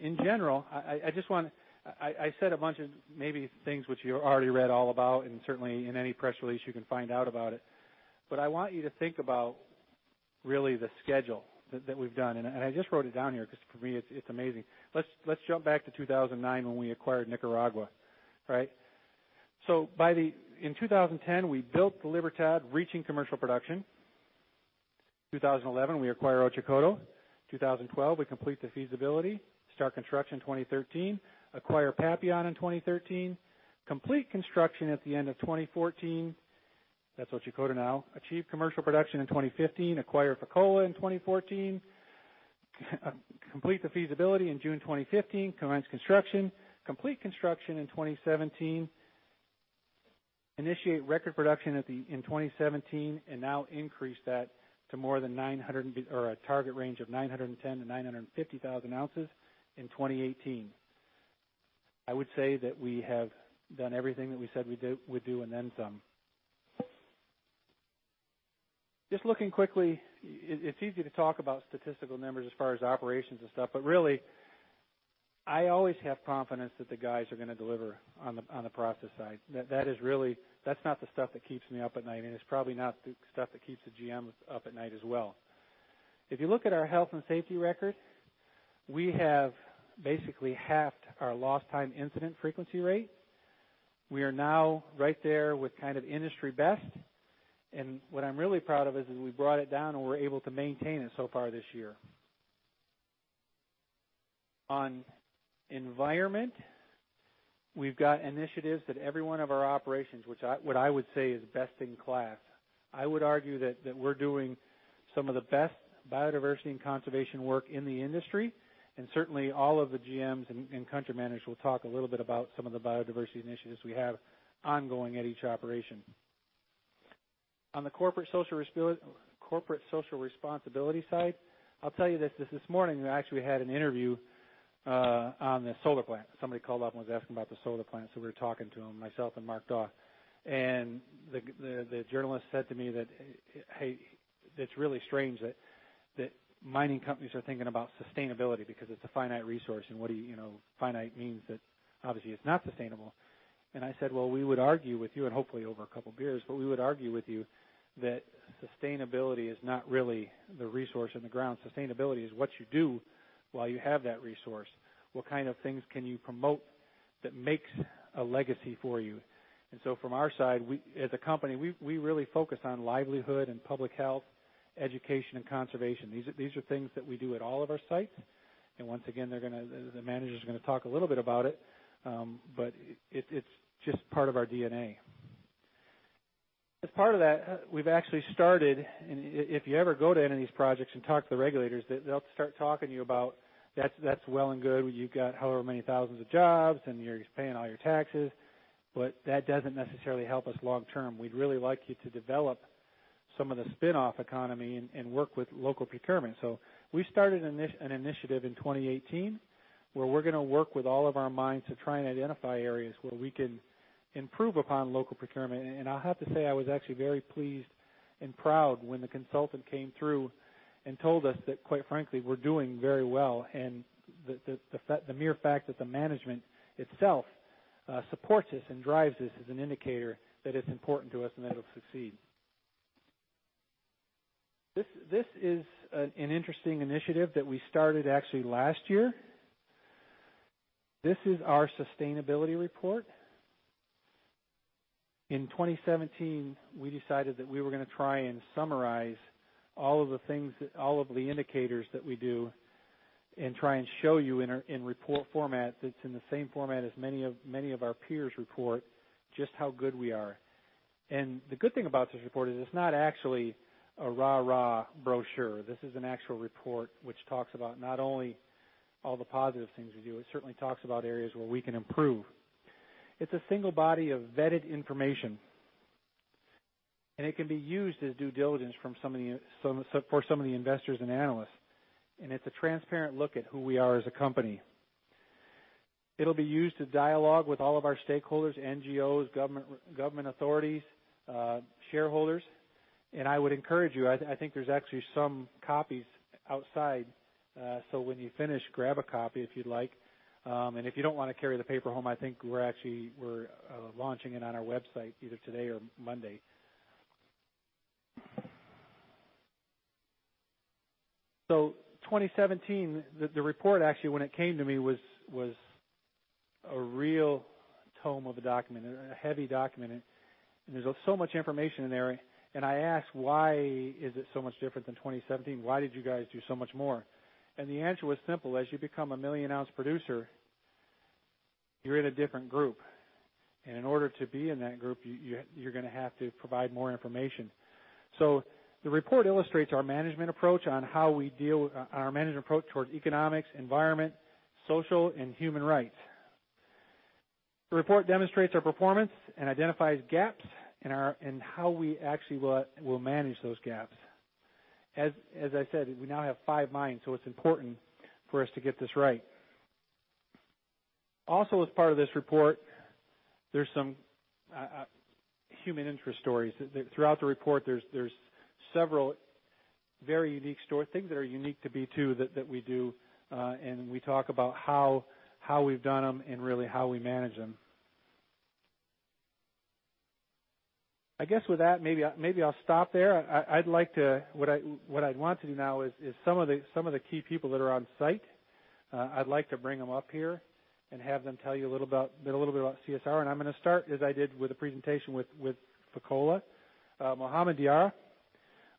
In general, I said a bunch of maybe things which you already read all about, and certainly in any press release you can find out about it, but I want you to think about really the schedule that we've done, and I just wrote it down here because for me, it's amazing. Let's jump back to 2009 when we acquired Nicaragua. Right? In 2010, we built the Libertad, reaching commercial production. 2011, we acquire Otjikoto. 2012, we complete the feasibility. Start construction 2013. Acquire Papillon in 2013. Complete construction at the end of 2014. That's Otjikoto now. Achieve commercial production in 2015. Acquire Fekola in 2014. Complete the feasibility in June 2015. Commence construction. Complete construction in 2017. Initiate record production in 2017, and now increase that to a target range of 910,000-950,000 ounces in 2018. I would say that we have done everything that we said we'd do and then some. Looking quickly, it's easy to talk about statistical numbers as far as operations and stuff, but really, I always have confidence that the guys are going to deliver on the process side. That's not the stuff that keeps me up at night. It's probably not the stuff that keeps the GMs up at night as well. If you look at our health and safety record, we have basically halved our Lost Time Incident Frequency Rate. We are now right there with kind of industry best, and what I'm really proud of is that we brought it down, and we're able to maintain it so far this year. On environment, we've got initiatives at every one of our operations, what I would say is best in class. I would argue that we're doing some of the best biodiversity and conservation work in the industry. Certainly, all of the GMs and country managers will talk a little bit about some of the biodiversity initiatives we have ongoing at each operation. On the Corporate Social Responsibility side, I'll tell you this morning, I actually had an interview on the solar plant. Somebody called up and was asking about the solar plant, we were talking to him, myself and Mark Dawe. The journalist said to me, "Hey, it's really strange that mining companies are thinking about sustainability because it's a finite resource. Finite means that, obviously, it's not sustainable." I said, "We would argue with you, hopefully over a couple of beers, but we would argue with you that sustainability is not really the resource in the ground. Sustainability is what you do while you have that resource. What kind of things can you promote that makes a legacy for you?" From our side, as a company, we really focus on livelihood and public health, education, and conservation. These are things that we do at all of our sites. Once again, the managers are going to talk a little bit about it, but it's just part of our DNA. As part of that, we've actually started, if you ever go to any of these projects and talk to the regulators, they'll start talking to you about, "That's well and good. You've got however many thousands of jobs, you're paying all your taxes, but that doesn't necessarily help us long term. We'd really like you to develop some of the spinoff economy and work with local procurement." We started an initiative in 2018 where we're going to work with all of our mines to try and identify areas where we can improve upon local procurement. I have to say, I was actually very pleased and proud when the consultant came through and told us that, quite frankly, we're doing very well, and the mere fact that the management itself supports this and drives this is an indicator that it's important to us and that it'll succeed. This is an interesting initiative that we started actually last year. This is our sustainability report. In 2017, we decided that we were going to try and summarize all of the indicators that we do and try and show you in report format, that's in the same format as many of our peers report, just how good we are. The good thing about this report is it's not actually a rah-rah brochure. This is an actual report which talks about not only all the positive things we do, it certainly talks about areas where we can improve. It's a single body of vetted information, and it can be used as due diligence for some of the investors and analysts, and it's a transparent look at who we are as a company. It'll be used to dialogue with all of our stakeholders, NGOs, government authorities, shareholders, and I would encourage you, I think there's actually some copies outside, so when you finish, grab a copy if you'd like. If you don't want to carry the paper home, I think we're launching it on our website either today or Monday. 2017, the report, actually, when it came to me, was a real tome of a document, a heavy document, and there's so much information in there. I asked, "Why is it so much different than 2017? Why did you guys do so much more?" The answer was simple. As you become a million-ounce producer, you're in a different group, and in order to be in that group, you're going to have to provide more information. The report illustrates our management approach towards economics, environment, social, and human rights. The report demonstrates our performance and identifies gaps and how we actually will manage those gaps. As I said, we now have five mines, so it's important for us to get this right. Also, as part of this report, there's some human interest stories. Throughout the report, there's several very unique stories, things that are unique to B2 that we do, and we talk about how we've done them and really how we manage them. I guess with that, maybe I'll stop there. What I want to do now is some of the key people that are on site, I'd like to bring them up here and have them tell you a little bit about CSR, and I'm going to start, as I did with the presentation with Fekola, Mohamed Diarra.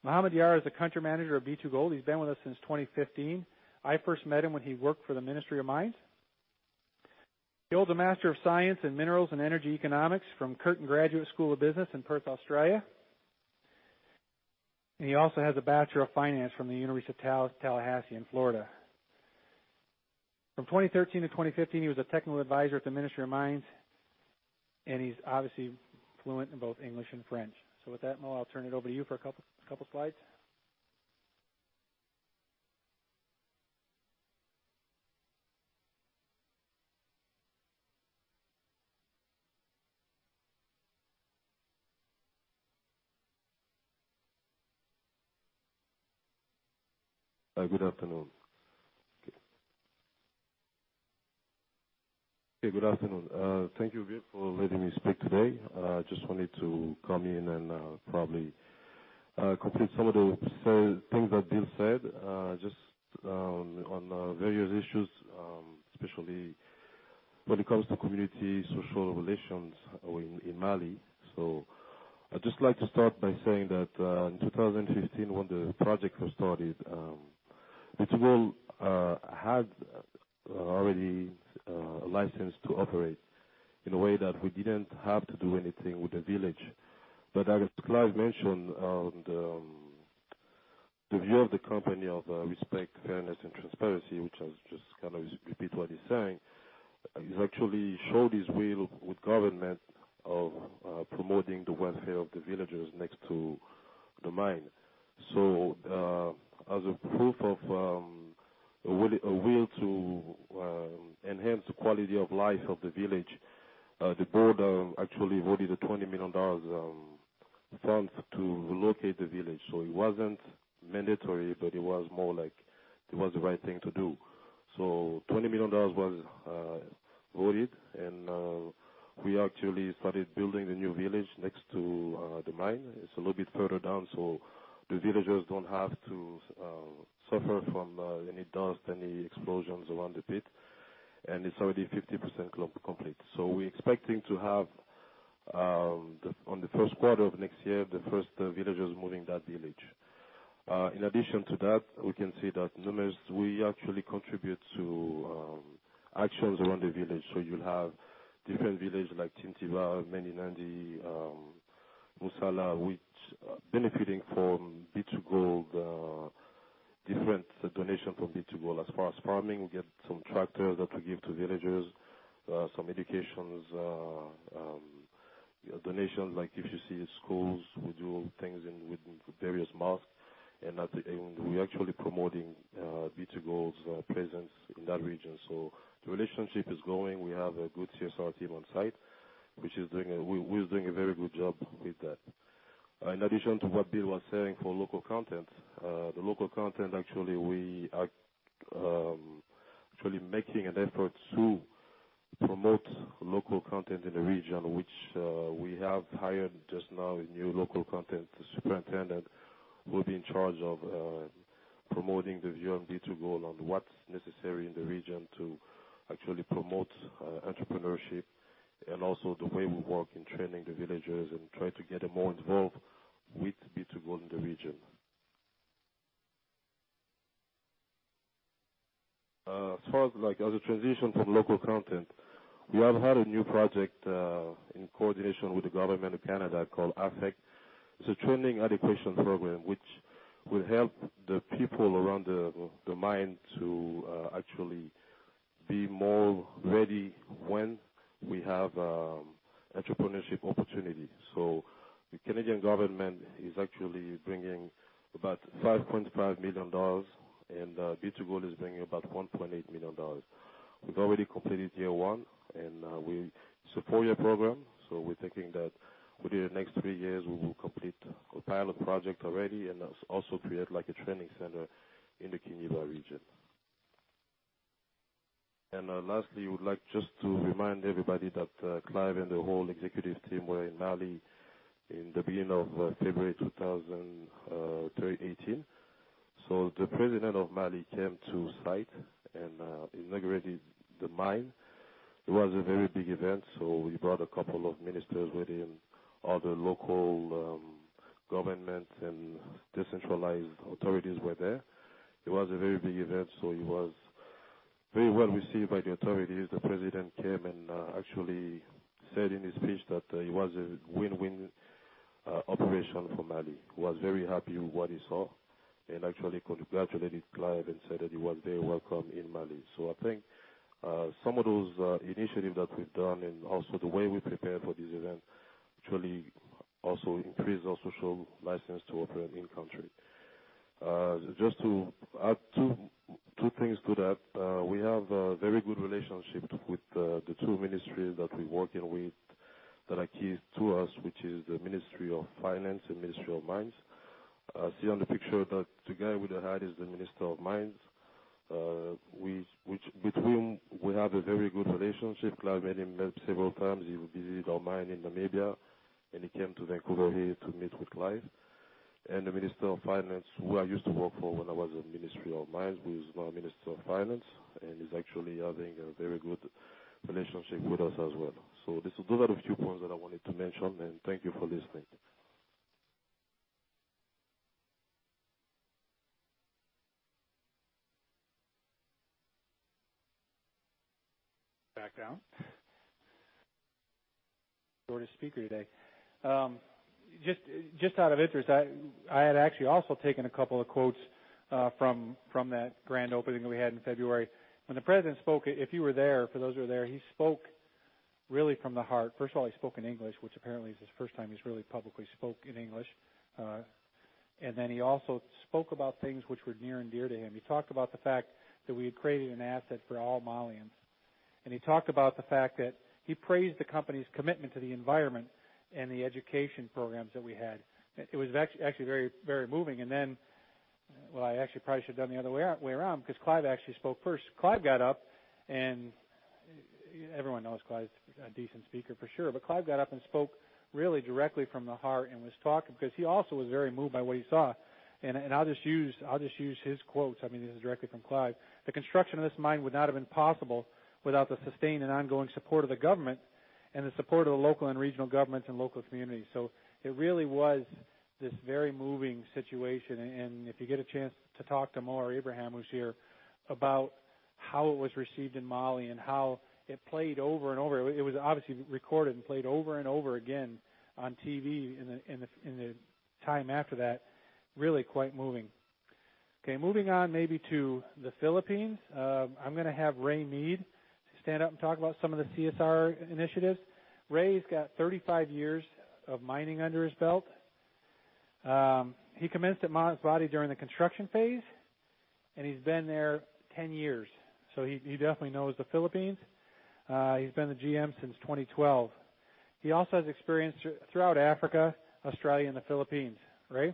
Mohamed Diarra is the Country Manager of B2Gold. He's been with us since 2015. I first met him when he worked for the Ministry of Mines. He holds a Master of Science in Minerals and Energy Economics from Curtin Graduate School of Business in Perth, Australia. He also has a Bachelor of Finance from the (Florida State University in Tallahassee). From 2013 to 2015, he was a technical advisor at the Ministry of Mines, and he's obviously fluent in both English and French. With that, Mo, I'll turn it over to you for a couple of slides. Good afternoon. Thank you, Bill, for letting me speak today. I just wanted to come in and probably complete some of the things that Bill said, just on various issues, especially when it comes to community social relations in Mali. I'd just like to start by saying that in 2015 when the project was started, B2Gold had already a license to operate in a way that we didn't have to do anything with the village. As Clive mentioned, and the view of the company of respect, fairness, and transparency, which I'll just repeat what he's saying, is actually showed his will with government of promoting the welfare of the villagers next to the mine. As a proof of a will to enhance the quality of life of the village, the board actually voted a $20 million fund to relocate the village. It wasn't mandatory, but it was more like it was the right thing to do. $20 million was voted, and we actually started building the new village next to the mine. It's a little bit further down, so the villagers don't have to suffer from any dust, any explosions around the pit, and it's already 50% complete. We're expecting to have, on the first quarter of next year, the first villagers moving to that village. In addition to that, we can say that we actually contribute to actions around the village. You'll have different villages like Tintiva, Malinandi, Musala, which are benefiting from B2Gold, different donations from B2Gold. As far as farming, we get some tractors that we give to villagers, some education donations. Like if you see schools, we do things with various mosques, and we're actually promoting B2Gold's presence in that region. The relationship is growing. We have a good CSR team on site, which is doing a very good job with that. In addition to what Bill was saying for local content, actually, we are actually making an effort to promote local content in the region, which we have hired just now a new local content superintendent who will be in charge of promoting the view of B2Gold on what's necessary in the region to actually promote entrepreneurship. Also the way we work in training the villagers and try to get them more involved with B2Gold in the region. As far as the transition to local content, we have had a new project in coordination with the government of Canada called AFACT. It's a training adaptation program which will help the people around the mine to actually be more ready when we have entrepreneurship opportunities. The Canadian government is actually bringing about $5.5 million and B2Gold is bringing about $1.8 million. We've already completed year one and it's a four-year program. We're thinking that within the next three years we will complete a pilot project already and also create a training center in the Kenieba region. Lastly, we would like just to remind everybody that Clive and the whole executive team were in Mali in the beginning of February 2018. The president of Mali came to site and inaugurated the mine. It was a very big event, so he brought a couple of ministers with him. All the local government and decentralized authorities were there. It was a very big event, so he was very well received by the authorities. The president came and actually said in his speech that it was a win-win operation for Mali, was very happy with what he saw, and actually congratulated Clive and said that he was very welcome in Mali. I think some of those initiatives that we've done and also the way we prepared for this event actually also increased our social license to operate in country. Just to add two things to that. We have a very good relationship with the two ministries that we're working with that are key to us, which is the Ministry of Finance and Ministry of Mines. See on the picture that the guy with the hat is the Minister of Mines, with whom we have a very good relationship. Clive met him several times. He visited our mine in Namibia, and he came to Vancouver here to meet with Clive and the Minister of Finance, who I used to work for when I was in Ministry of Mines, who is now Minister of Finance and is actually having a very good relationship with us as well. Those are the few points that I wanted to mention, and thank you for listening. background. Shortest speaker today. Just out of interest, I had actually also taken a couple of quotes from that grand opening we had in February. When the president spoke, if you were there, for those who were there, he spoke really from the heart. First of all, he spoke in English, which apparently is his first time he's really publicly spoke in English. He also spoke about things which were near and dear to him. He talked about the fact that we had created an asset for all Malians, and he praised the company's commitment to the environment and the education programs that we had. It was actually very moving. Well, I actually probably should've done it the other way around, because Clive actually spoke first. Clive got up and everyone knows Clive's a decent speaker for sure, Clive got up and spoke really directly from the heart and was talking, because he also was very moved by what he saw. I'll just use his quotes. This is directly from Clive. "The construction of this mine would not have been possible without the sustained and ongoing support of the government and the support of the local and regional governments and local communities." It really was this very moving situation, and if you get a chance to talk to Mo or Abraham, who's here, about how it was received in Mali and how it played over and over. It was obviously recorded and played over and over again on TV in the time after that. Really quite moving. Moving on maybe to the Philippines. I'm going to have Ray Mead stand up and talk about some of the CSR initiatives. Ray's got 35 years of mining under his belt. He commenced at Masbate during the construction phase, and he's been there 10 years, so he definitely knows the Philippines. He's been the GM since 2012. He also has experience throughout Africa, Australia, and the Philippines. Ray?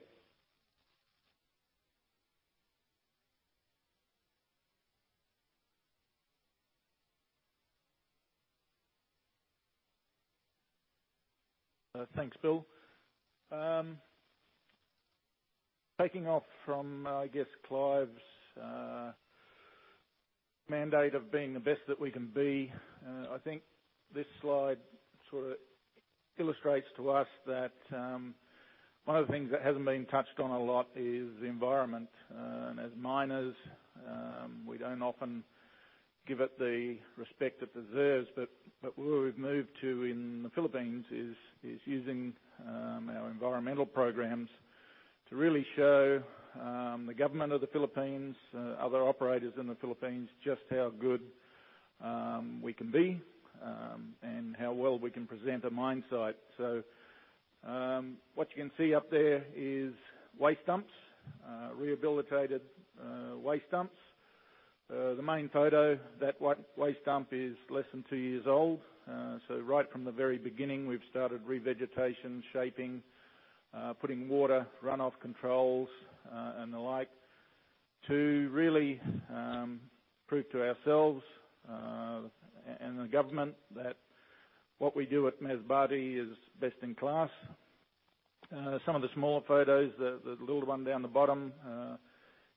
Thanks, Bill. Taking off from, I guess, Clive's mandate of being the best that we can be, I think this slide sort of illustrates to us that one of the things that hasn't been touched on a lot is the environment. As miners, we don't often give it the respect it deserves, but what we've moved to in the Philippines is using our environmental programs to really show the government of the Philippines, other operators in the Philippines, just how good we can be, and how well we can present a mine site. What you can see up there is waste dumps, rehabilitated waste dumps. The main photo, that waste dump is less than two years old. Right from the very beginning, we've started revegetation, shaping, putting water runoff controls, and the like to really prove to ourselves, and the government that what we do at Masbate is best in class. Some of the smaller photos, the little one down the bottom,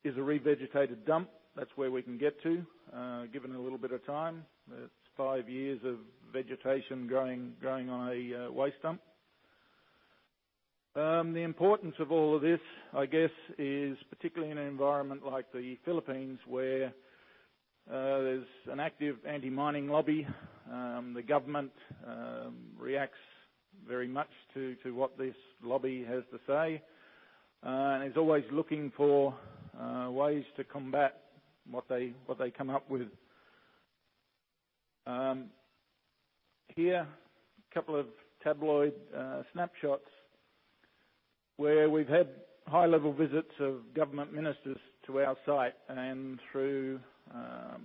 is a revegetated dump. That's where we can get to given a little bit of time. That's five years of vegetation growing on a waste dump. The importance of all of this, I guess, is particularly in an environment like the Philippines, where there's an active anti-mining lobby. The government reacts very much to what this lobby has to say, is always looking for ways to combat what they come up with. Here, a couple of tabloid snapshots where we've had high-level visits of government ministers to our site and through our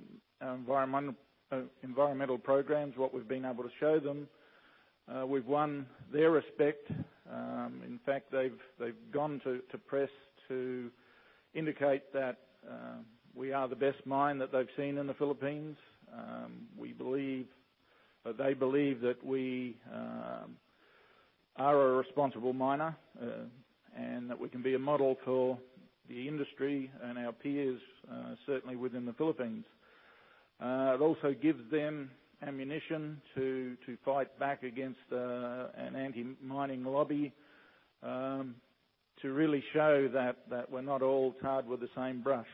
environmental programs, what we've been able to show them, we've won their respect. In fact, they've gone to press to indicate that we are the best mine that they've seen in the Philippines. They believe that we are a responsible miner, that we can be a model for the industry and our peers, certainly within the Philippines. It also gives them ammunition to fight back against an anti-mining lobby, to really show that we're not all tarred with the same brush.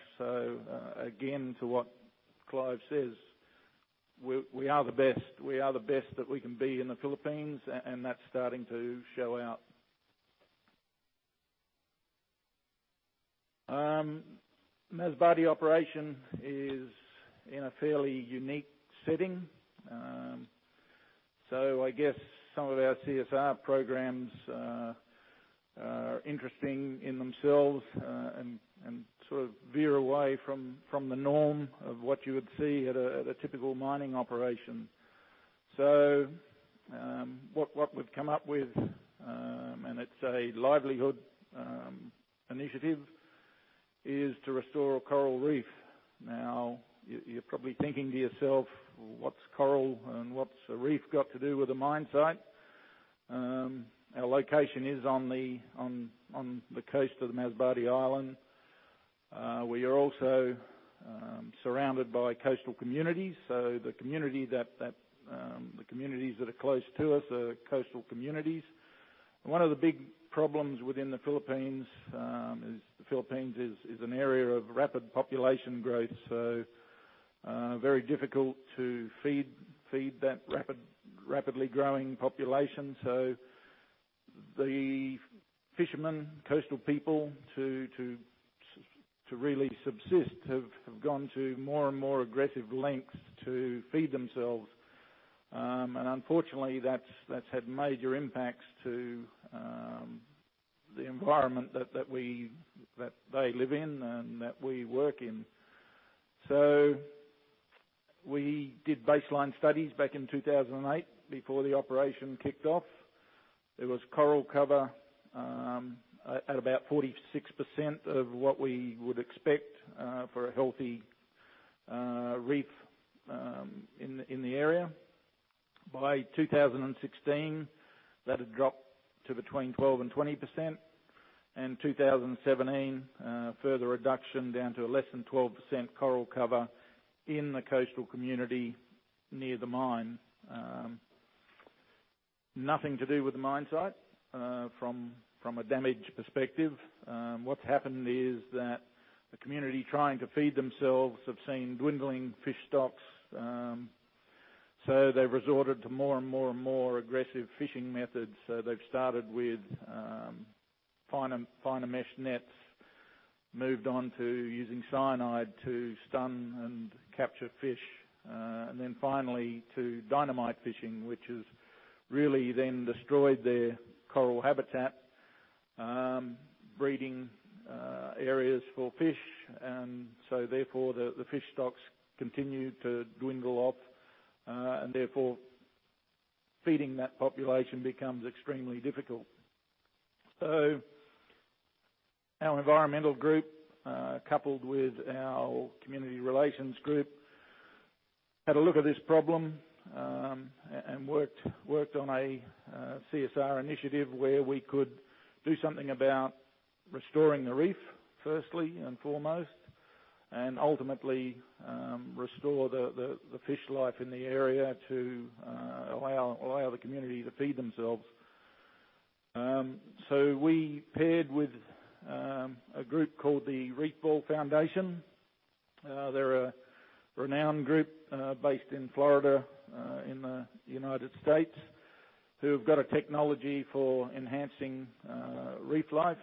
Again, to what Clive says, we are the best that we can be in the Philippines, and that's starting to show out. Masbate operation is in a fairly unique setting. I guess some of our CSR programs are interesting in themselves, sort of veer away from the norm of what you would see at a typical mining operation. What we've come up with, and it's a livelihood initiative, is to restore a coral reef. You're probably thinking to yourself, "Well, what's coral and what's a reef got to do with a mine site?" Our location is on the coast of the Masbate Island. We are also surrounded by coastal communities. The communities that are close to us are coastal communities. One of the big problems within the Philippines is the Philippines is an area of rapid population growth, very difficult to feed that rapidly growing population. The fishermen, coastal people, to really subsist, have gone to more and more aggressive lengths to feed themselves. Unfortunately, that's had major impacts to the environment that they live in and that we work in. We did baseline studies back in 2008 before the operation kicked off. There was coral cover at about 46% of what we would expect for a healthy reef in the area. By 2016, that had dropped to between 12% and 20%. In 2017, a further reduction down to a less than 12% coral cover in the coastal community near the mine. Nothing to do with the mine site from a damage perspective. What's happened is that the community trying to feed themselves have seen dwindling fish stocks. They've resorted to more and more aggressive fishing methods. They've started with finer mesh nets, moved on to using cyanide to stun and capture fish, finally to dynamite fishing, which has really then destroyed their coral habitat, breeding areas for fish. Therefore, the fish stocks continue to dwindle off, therefore, feeding that population becomes extremely difficult. Our environmental group, coupled with our community relations group, had a look at this problem, worked on a CSR initiative where we could do something about restoring the reef, firstly and foremost, ultimately restore the fish life in the area to allow the community to feed themselves. We paired with a group called the Reef Ball Foundation. They're a renowned group based in Florida in the United States who have got a technology for enhancing reef life.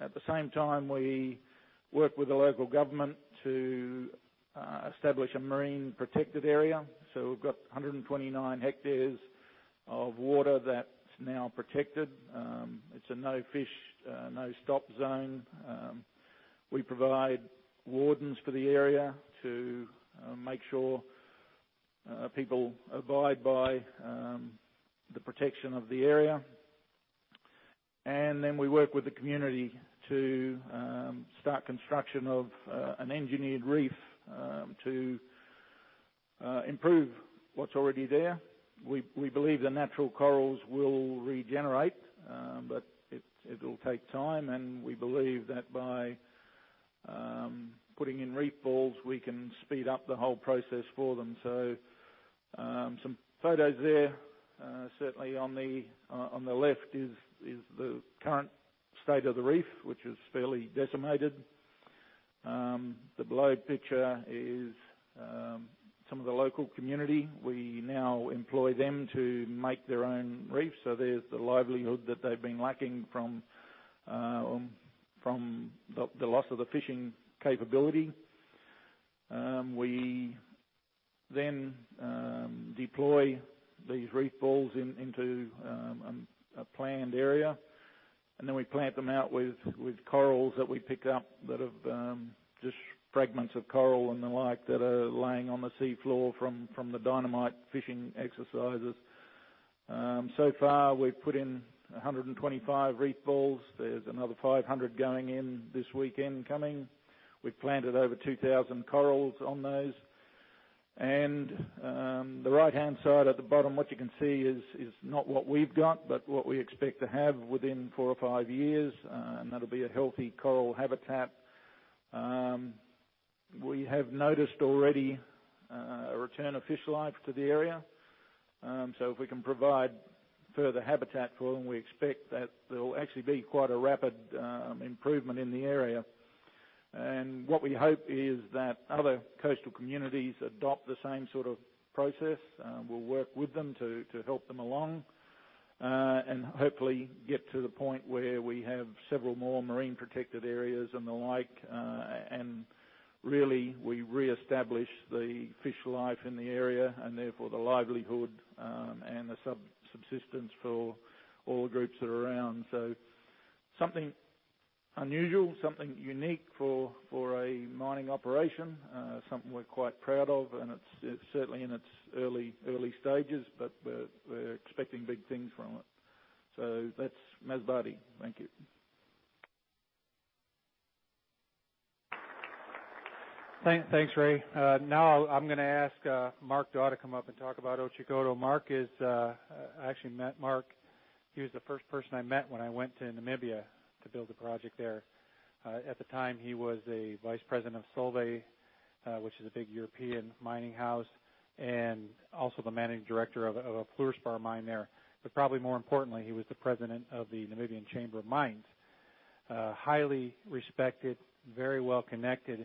At the same time, we worked with the local government to establish a marine protected area. We've got 129 hectares of water that's now protected. It's a no-fish, no-stop zone. We provide wardens for the area to make sure people abide by the protection of the area. We work with the community to start construction of an engineered reef to improve what's already there. We believe the natural corals will regenerate, but it'll take time, we believe that by putting in reef balls, we can speed up the whole process for them. Some photos there. Certainly on the left is the current state of the reef, which is fairly decimated. The below picture is some of the local community. We now employ them to make their own reefs. There's the livelihood that they've been lacking from the loss of the fishing capability. We then deploy these reef balls into a planned area, and then we plant them out with corals that we pick up that have just fragments of coral and the like that are laying on the sea floor from the dynamite fishing exercises. So far, we've put in 125 reef balls. There's another 500 going in this weekend coming. We've planted over 2,000 corals on those. The right-hand side at the bottom, what you can see is not what we've got, but what we expect to have within four or five years. That'll be a healthy coral habitat. We have noticed already a return of fish life to the area. If we can provide further habitat for them, we expect that there will actually be quite a rapid improvement in the area. What we hope is that other coastal communities adopt the same sort of process. We'll work with them to help them along, and hopefully get to the point where we have several more marine protected areas and the like, and really we reestablish the fish life in the area and therefore the livelihood and the subsistence for all the groups that are around. Something unusual, something unique for a mining operation, something we're quite proud of, and it's certainly in its early stages, but we're expecting big things from it. That's Masbate. Thank you. Thanks, Ray. I'm gonna ask Mark Dawe to come up and talk about Otjikoto. I actually met Mark. He was the first person I met when I went to Namibia to build a project there. At the time, he was a vice president of Solvay, which is a big European mining house, and also the managing director of a fluorspar mine there. Probably more importantly, he was the president of the Chamber of Mines of Namibia. Highly respected, very well-connected,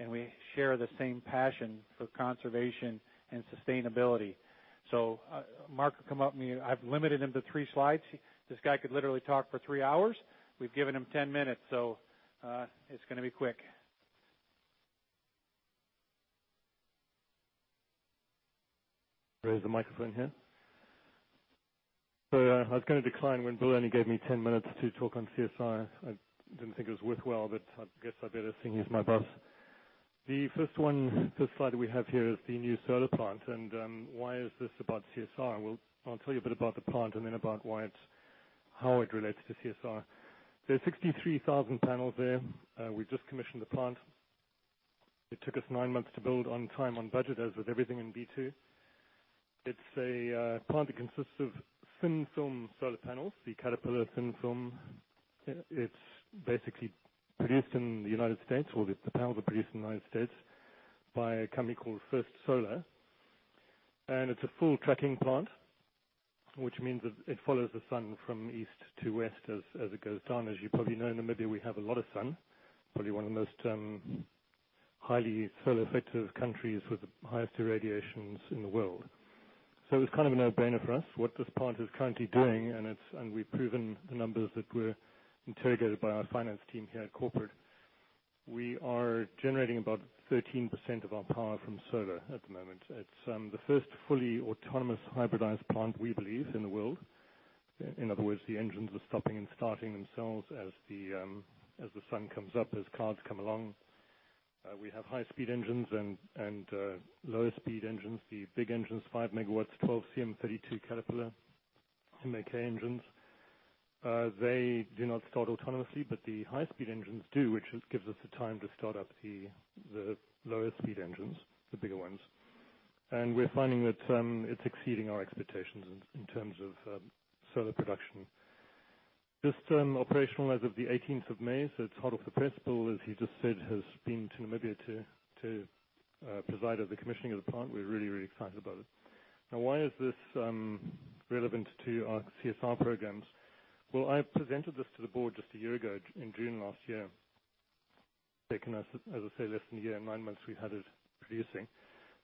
and we share the same passion for conservation and sustainability. Mark will come up. I've limited him to three slides. This guy could literally talk for three hours. We've given him 10 minutes, so it's going to be quick. Where is the microphone here? I was going to decline when Bill only gave me 10 minutes to talk on CSR. I guess I better seeing he's my boss. The first slide we have here is the new solar plant. Why is this about CSR? I'll tell you a bit about the plant and then about how it relates to CSR. There are 63,000 panels there. We just commissioned the plant. It took us nine months to build on time, on budget, as with everything in B2. It's a plant that consists of thin-film solar panels, the Caterpillar thin-film. It's basically produced in the United States, or the panels are produced in the United States by a company called First Solar. It's a full tracking plant, which means that it follows the sun from east to west as it goes down. As you probably know, in Namibia, we have a lot of sun, probably one of the most highly solar-effective countries with the highest irradiations in the world. It was kind of a no-brainer for us. What this plant is currently doing, and we've proven the numbers that were integrated by our finance team here at corporate, we are generating about 13% of our power from solar at the moment. It's the first fully autonomous hybridized plant, we believe, in the world. In other words, the engines are stopping and starting themselves as the sun comes up, as cars come along. We have high-speed engines and lower-speed engines. The big engines, 5 MW, 12 CM, 32 Caterpillar MaK engines. They do not start autonomously, but the high-speed engines do, which gives us the time to start up the lower-speed engines, the bigger ones. We're finding that it's exceeding our expectations in terms of solar production. Just operational as of the 18th of May, it's hot off the press. Bill, as he just said, has been to Namibia to preside at the commissioning of the plant. We're really excited about it. Why is this relevant to our CSR programs? I presented this to the board just a year ago in June last year. Taken us, as I say, less than a year and nine months we've had it producing.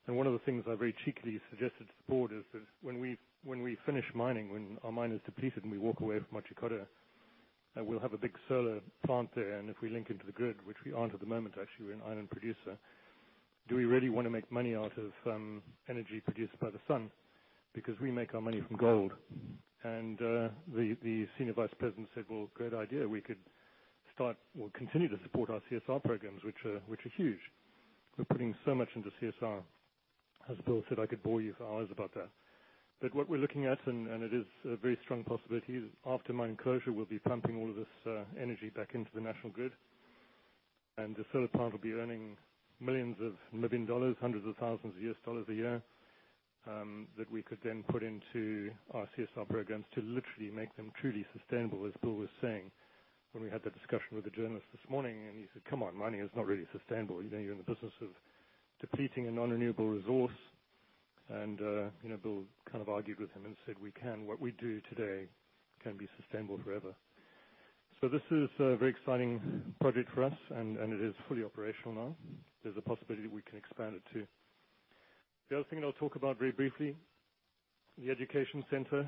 One of the things I very cheekily suggested to the board is that when we finish mining, when our mine is depleted and we walk away from Otjikoto, we'll have a big solar plant there, and if we link into the grid, which we aren't at the moment, actually, we're an island producer. Do we really want to make money out of energy produced by the sun? Because we make our money from gold. The senior vice president said, "Great idea. We could start or continue to support our CSR programs," which are huge. We're putting so much into CSR. As Bill said, I could bore you for hours about that. What we're looking at, and it is a very strong possibility, is after mine closure, we'll be pumping all of this energy back into the national grid. The solar plant will be earning millions of Namibian dollars, hundreds of thousands of US dollars a year, that we could then put into our CSR programs to literally make them truly sustainable, as Bill was saying when we had that discussion with the journalists this morning, he said, "Come on, mining is not really sustainable. You're in the business of depleting a non-renewable resource." Bill kind of argued with him and said, "We can. What we do today can be sustainable forever." This is a very exciting project for us, and it is fully operational now. There's a possibility we can expand it, too. The other thing that I'll talk about very briefly, the education center.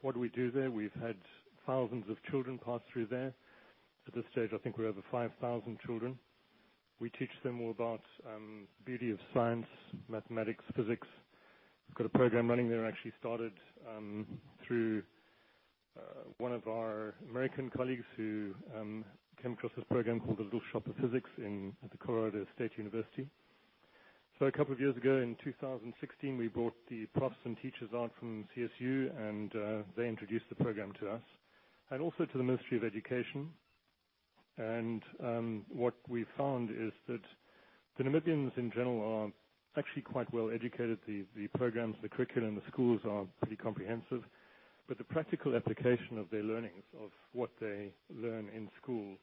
What do we do there? We've had thousands of children pass through there. At this stage, I think we're over 5,000 children. We teach them all about beauty of science, mathematics, physics. We've got a program running there, actually started through one of our American colleagues who came across this program called the Little Shop of Physics at Colorado State University. A couple of years ago in 2016, we brought the profs and teachers out from CSU, and they introduced the program to us and also to the Ministry of Education. What we found is that the Namibians in general are actually quite well-educated. The programs, the curriculum, the schools are pretty comprehensive. The practical application of their learnings, of what they learn in school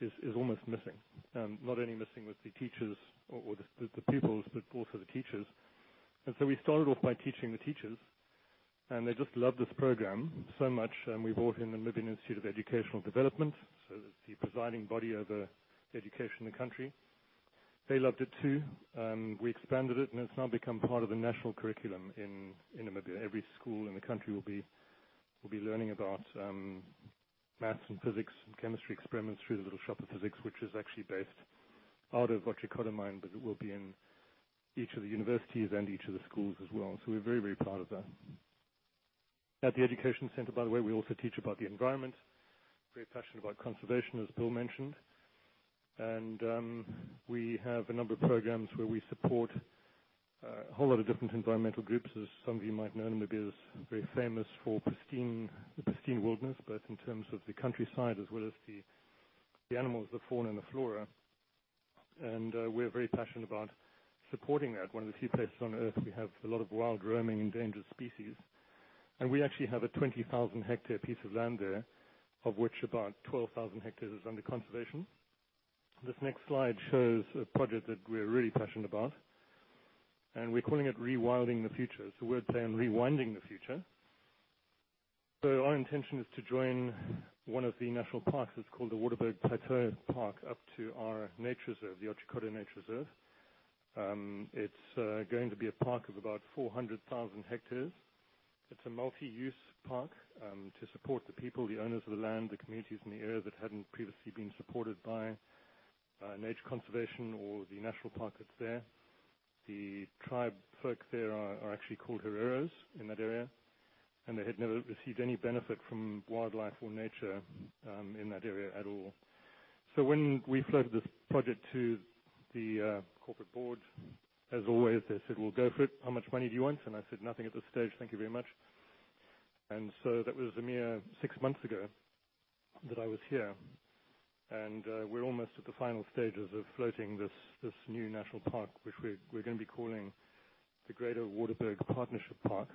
is almost missing. Not only missing with the pupils, but also the teachers. We started off by teaching the teachers, and they just loved this program so much. We brought in the National Institute for Educational Development, that's the presiding body over education in the country. They loved it, too. We expanded it, and it's now become part of the national curriculum in Namibia. Every school in the country will be learning about math and physics and chemistry experiments through the Little Shop of Physics, which is actually based out of Otjikoto mine, but it will be in each of the universities and each of the schools as well. We're very proud of that. At the education center, by the way, we also teach about the environment. Very passionate about conservation, as Bill mentioned. We have a number of programs where we support a whole lot of different environmental groups. As some of you might know, Namibia is very famous for the pristine wilderness, both in terms of the countryside as well as the animals, the fauna, and the flora. We're very passionate about supporting that. One of the few places on Earth we have a lot of wild roaming endangered species. We actually have a 20,000 hectares piece of land there, of which about 12,000 hectares is under conservation. This next slide shows a project that we're really passionate about, and we're calling it Rewilding the Future. It's a wordplay on rewinding the future. Our intention is to join one of the national parks that's called the Waterberg Plateau Park up to our nature reserve, the Otjikoto Nature Reserve. It's going to be a park of about 400,000 hectares. It's a multi-use park to support the people, the owners of the land, the communities in the area that hadn't previously been supported by nature conservation or the national park that's there. The tribe folks there are actually called Hereros in that area, they had never received any benefit from wildlife or nature in that area at all. When we floated this project to the corporate board, as always, they said, "Well, go for it. How much money do you want?" I said, "Nothing at this stage, thank you very much." That was a mere six months ago that I was here, and we're almost at the final stages of floating this new national park, which we're going to be calling the Greater Waterberg Partnership Park.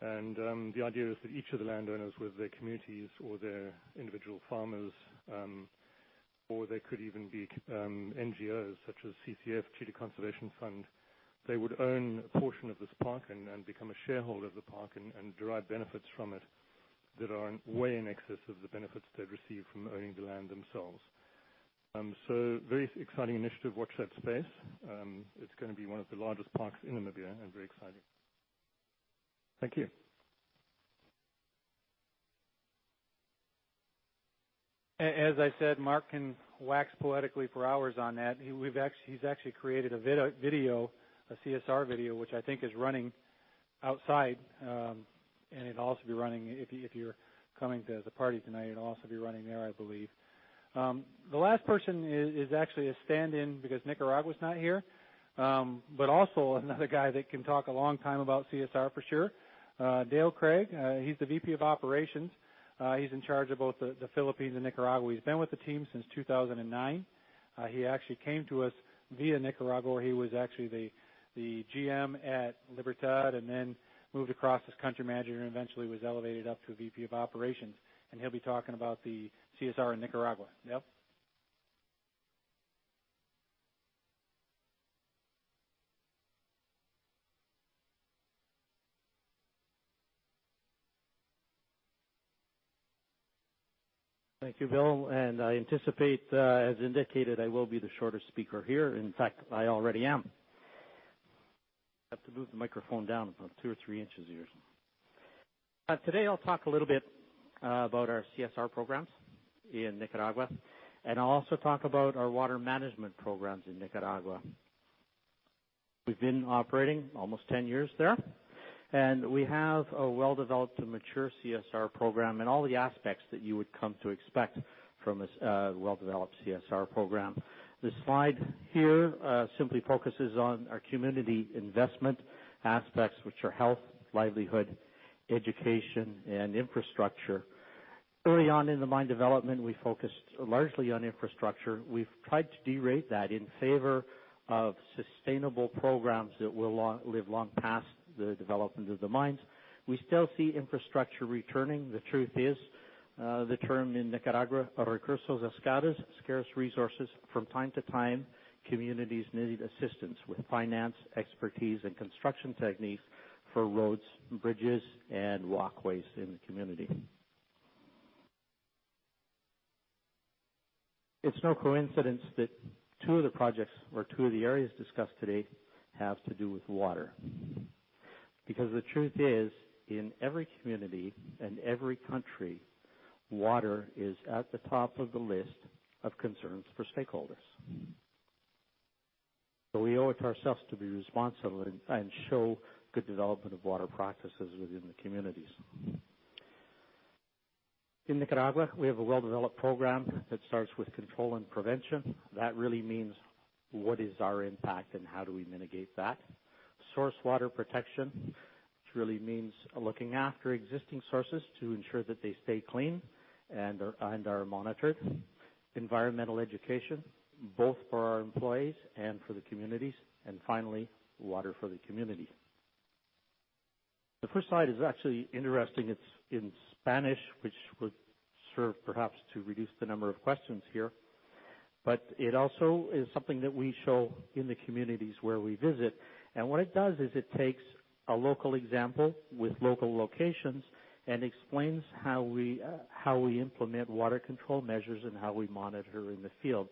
The idea is that each of the landowners, with their communities or their individual farmers, or they could even be NGOs such as CCF, Cheetah Conservation Fund, they would own a portion of this park and become a shareholder of the park and derive benefits from it that are way in excess of the benefits they'd receive from owning the land themselves. A very exciting initiative. Watch that space. It's going to be one of the largest parks in Namibia and very exciting. Thank you. As I said, Mark can wax poetically for hours on that. He's actually created a CSR video, which I think is running outside. It'll also be running, if you're coming to the party tonight, it'll also be running there, I believe. The last person is actually a stand-in because Nicaragua's not here. Also another guy that can talk a long time about CSR for sure. Dale Craig, he's the VP of Operations. He's in charge of both the Philippines and Nicaragua. He's been with the team since 2009. He actually came to us via Nicaragua, where he was actually the GM at Libertad and then moved across as country manager and eventually was elevated up to VP of Operations, and he'll be talking about the CSR in Nicaragua. Dale? Thank you, Bill. I anticipate, as indicated, I will be the shortest speaker here. In fact, I already am. I have to move the microphone down about two or three inches here. Today, I'll talk a little bit about our CSR programs in Nicaragua. I'll also talk about our water management programs in Nicaragua. We've been operating almost 10 years there. We have a well-developed and mature CSR program in all the aspects that you would come to expect from a well-developed CSR program. This slide here simply focuses on our community investment aspects, which are health, livelihood, education, and infrastructure. Early on in the mine development, we focused largely on infrastructure. We've tried to derate that in favor of sustainable programs that will live long past the development of the mines. We still see infrastructure returning. The truth is, the term in Nicaragua, scarce resources. From time to time, communities needed assistance with finance, expertise, and construction techniques for roads, bridges, and walkways in the community. It's no coincidence that two of the projects or two of the areas discussed today have to do with water. The truth is, in every community and every country, water is at the top of the list of concerns for stakeholders. We owe it to ourselves to be responsible and show good development of water practices within the communities. In Nicaragua, we have a well-developed program that starts with control and prevention. That really means what is our impact and how do we mitigate that? Source water protection, which really means looking after existing sources to ensure that they stay clean and are monitored. Environmental education, both for our employees and for the communities. Finally, water for the community. The first slide is actually interesting. It's in Spanish, which would serve perhaps to reduce the number of questions here. It also is something that we show in the communities where we visit. What it does is it takes a local example with local locations and explains how we implement water control measures and how we monitor in the field.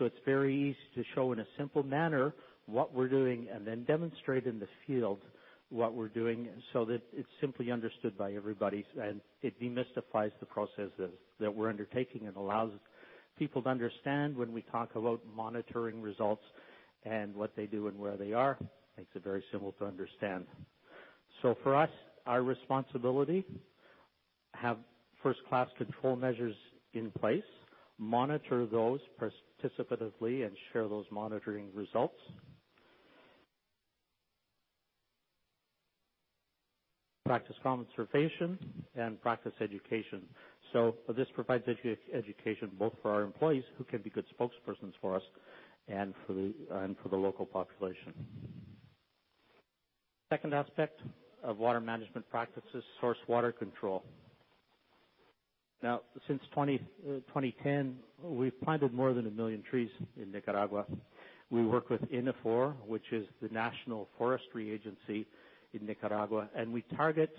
It's very easy to show in a simple manner what we're doing, and then demonstrate in the field what we're doing so that it's simply understood by everybody, and it demystifies the processes that we're undertaking and allows people to understand when we talk about monitoring results and what they do and where they are. Makes it very simple to understand. For us, our responsibility, have first-class control measures in place, monitor those participatively, and share those monitoring results. Practice conservation and practice education. This provides education both for our employees, who can be good spokespersons for us, and for the local population. Second aspect of water management practice is source water control. Since 2010, we've planted more than a million trees in Nicaragua. We work with INAFOR, which is the national forestry agency in Nicaragua, and we target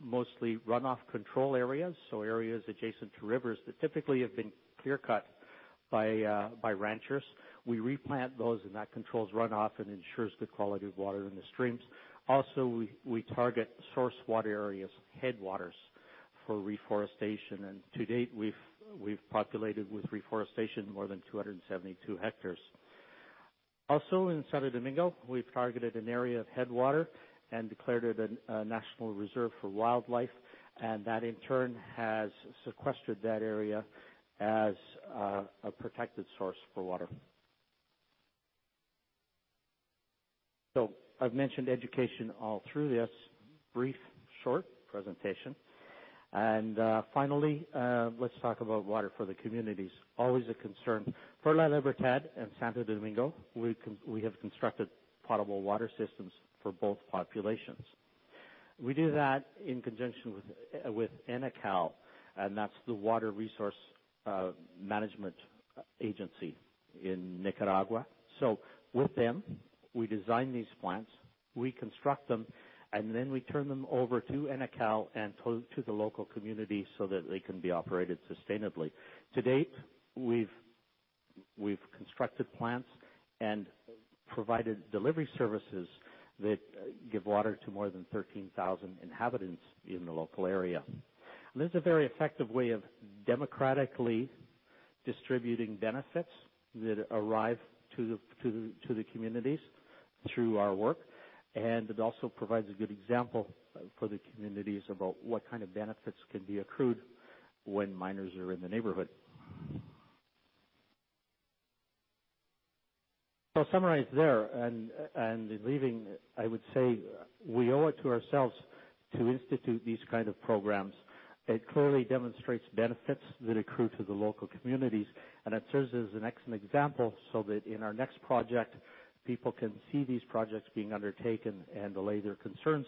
mostly runoff control areas, so areas adjacent to rivers that typically have been clear-cut by ranchers. That controls runoff and ensures good quality of water in the streams. Also, we target source water areas, headwaters for reforestation. To date, we've populated with reforestation more than 272 hectares. Also, in Santo Domingo, we've targeted an area of headwater and declared it a national reserve for wildlife, and that in turn has sequestered that area as a protected source for water. I've mentioned education all through this brief, short presentation. Finally, let's talk about water for the communities. Always a concern. Perla Libertad and Santo Domingo, we have constructed potable water systems for both populations. We do that in conjunction with ENACAL, that's the Nicaraguan water and sewer utility. With them, we design these plants, we construct them, and then we turn them over to ENACAL and to the local community so that they can be operated sustainably. To date, we've constructed plants and provided delivery services that give water to more than 13,000 inhabitants in the local area. That's a very effective way of democratically distributing benefits that arrive to the communities through our work. It also provides a good example for the communities about what kind of benefits can be accrued when miners are in the neighborhood. I'll summarize there, and in leaving, I would say we owe it to ourselves to institute these kind of programs. It clearly demonstrates benefits that accrue to the local communities. It serves as an excellent example so that in our next project, people can see these projects being undertaken and allay their concerns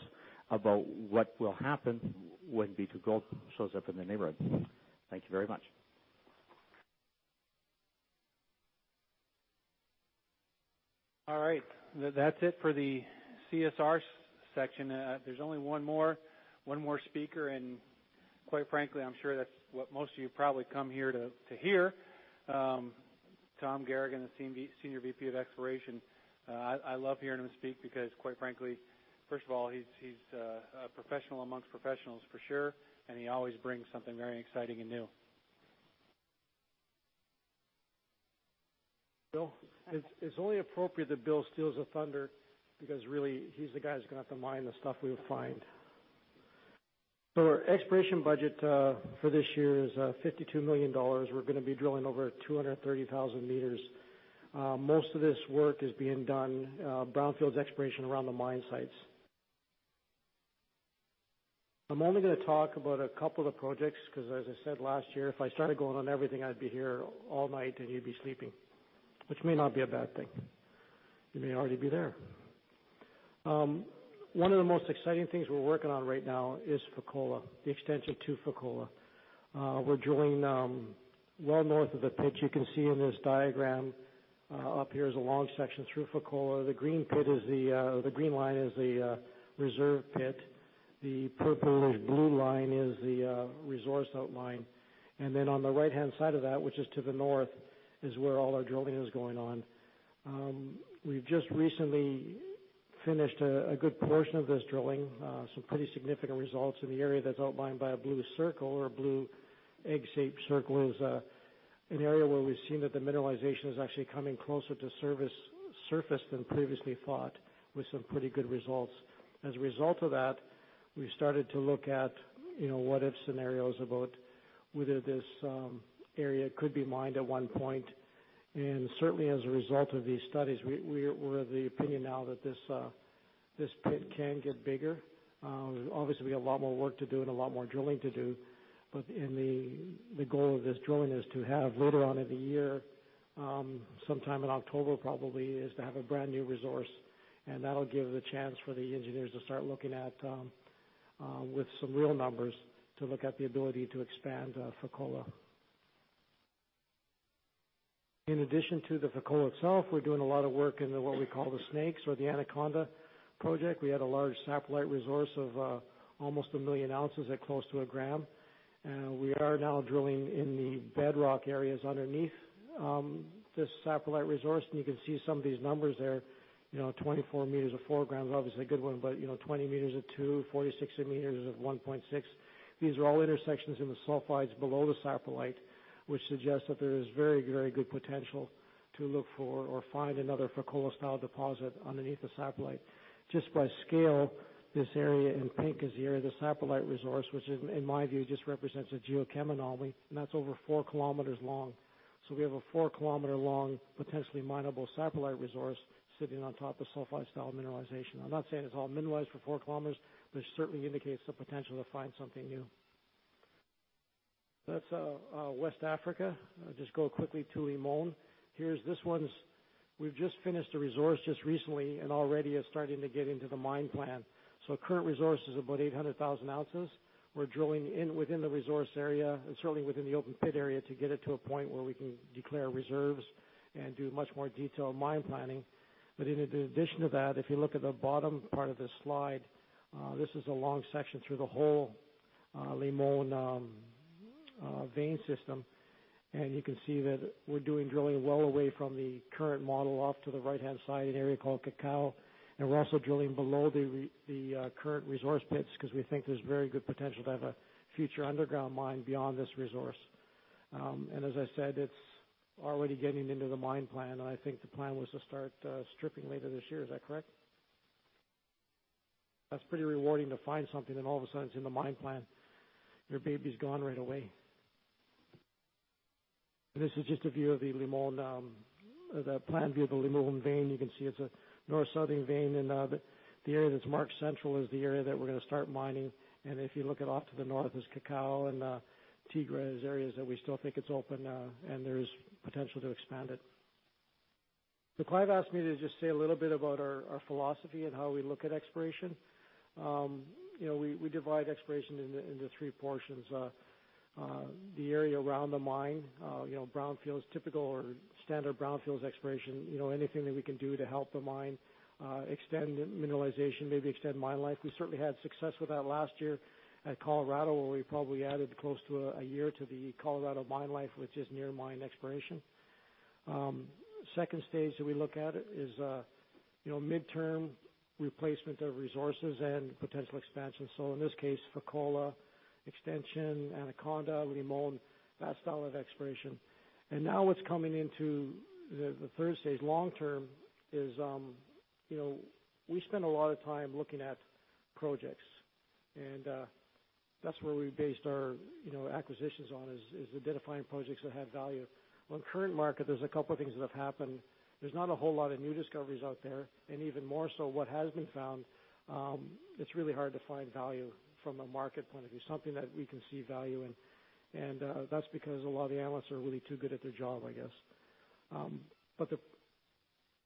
about what will happen when B2Gold shows up in the neighborhood. Thank you very much. All right. That's it for the CSR section. There's only one more speaker. Quite frankly, I'm sure that's what most of you probably come here to hear. Tom Garagan, the Senior Vice President Exploration. I love hearing him speak because quite frankly, first of all, he's a professional amongst professionals for sure. He always brings something very exciting and new. Bill. It's only appropriate that Bill steals the thunder because really he's the guy who's going to have to mine the stuff we will find. Our exploration budget for this year is $52 million. We're going to be drilling over 230,000 meters. Most of this work is being done brownfields exploration around the mine sites. I'm only going to talk about a couple of projects because as I said last year, if I started going on everything, I'd be here all night and you'd be sleeping, which may not be a bad thing. You may already be there. One of the most exciting things we're working on right now is Fekola, the extension to Fekola. We're drilling well north of the pit. You can see in this diagram up here is a long section through Fekola. The green line is the reserve pit. The purplish blue line is the resource outline. Then on the right-hand side of that, which is to the north, is where all our drilling is going on. We've just recently finished a good portion of this drilling. Some pretty significant results in the area that's outlined by a blue circle or a blue egg shape circle is an area where we've seen that the mineralization is actually coming closer to surface than previously thought with some pretty good results. As a result of that, we started to look at what if scenarios about whether this area could be mined at one point. Certainly as a result of these studies, we're of the opinion now that this pit can get bigger. Obviously, we got a lot more work to do and a lot more drilling to do. In the goal of this drilling is to have later on in the year, sometime in October probably, is to have a brand-new resource. That'll give the chance for the engineers to start looking at, with some real numbers, to look at the ability to expand Fekola. In addition to the Fekola itself, we're doing a lot of work in what we call the Snakes or the Anaconda project. We had a large satellite resource of almost 1 million ounces at close to a gram. We are now drilling in the bedrock areas underneath this satellite resource. You can see some of these numbers there, 24 meters of four grams, obviously a good one, 20 meters at two, 46 meters at 1.6. These are all intersections in the sulfides below the satellite, which suggests that there is very good potential to look for or find another Fekola-style deposit underneath the satellite. Just by scale, this area in pink is the area of the satellite resource, which in my view just represents a geochem anomaly, and that's over 4 km long. We have a 4-km long, potentially mineable satellite resource sitting on top of sulfide-style mineralization. I'm not saying it's all mineralized for 4 km, but it certainly indicates the potential to find something new. That's West Africa. I'll just go quickly to Limon. We've just finished a resource just recently and already are starting to get into the mine plan. Current resource is about 800,000 ounces. We're drilling in within the resource area, and certainly within the open pit area, to get it to a point where we can declare reserves and do much more detailed mine planning. In addition to that, if you look at the bottom part of this slide, this is a long section through the whole Limon vein system, and you can see that we're doing drilling well away from the current model off to the right-hand side in an area called Cacao. We're also drilling below the current resource pits because we think there's very good potential to have a future underground mine beyond this resource. As I said, it's already getting into the mine plan, and I think the plan was to start stripping later this year. Is that correct? That's pretty rewarding to find something, and all of a sudden, it's in the mine plan. Your baby's gone right away. This is just a view of the planned view of the Limon vein. You can see it's a north-south vein, and the area that's marked central is the area that we're going to start mining. If you look at off to the north is Cacao and Tigra, areas that we still think it's open and there's potential to expand it. Clive asked me to just say a little bit about our philosophy and how we look at exploration. We divide exploration into three portions. The area around the mine, brownfields, typical or standard brownfields exploration. Anything that we can do to help the mine extend mineralization, maybe extend mine life. We certainly had success with that last year at Colorado, where we probably added close to a year to the Colorado mine life, which is near mine exploration. Second stage that we look at is midterm replacement of resources and potential expansion. In this case, Fekola extension, Anaconda, Limon, that style of exploration. Now what's coming into the third stage, long-term, is we spend a lot of time looking at projects, and that's where we based our acquisitions on is identifying projects that have value. On current market, there's a couple of things that have happened. There's not a whole lot of new discoveries out there, and even more so, what has been found, it's really hard to find value from a market point of view, something that we can see value in. That's because a lot of the analysts are really too good at their job, I guess.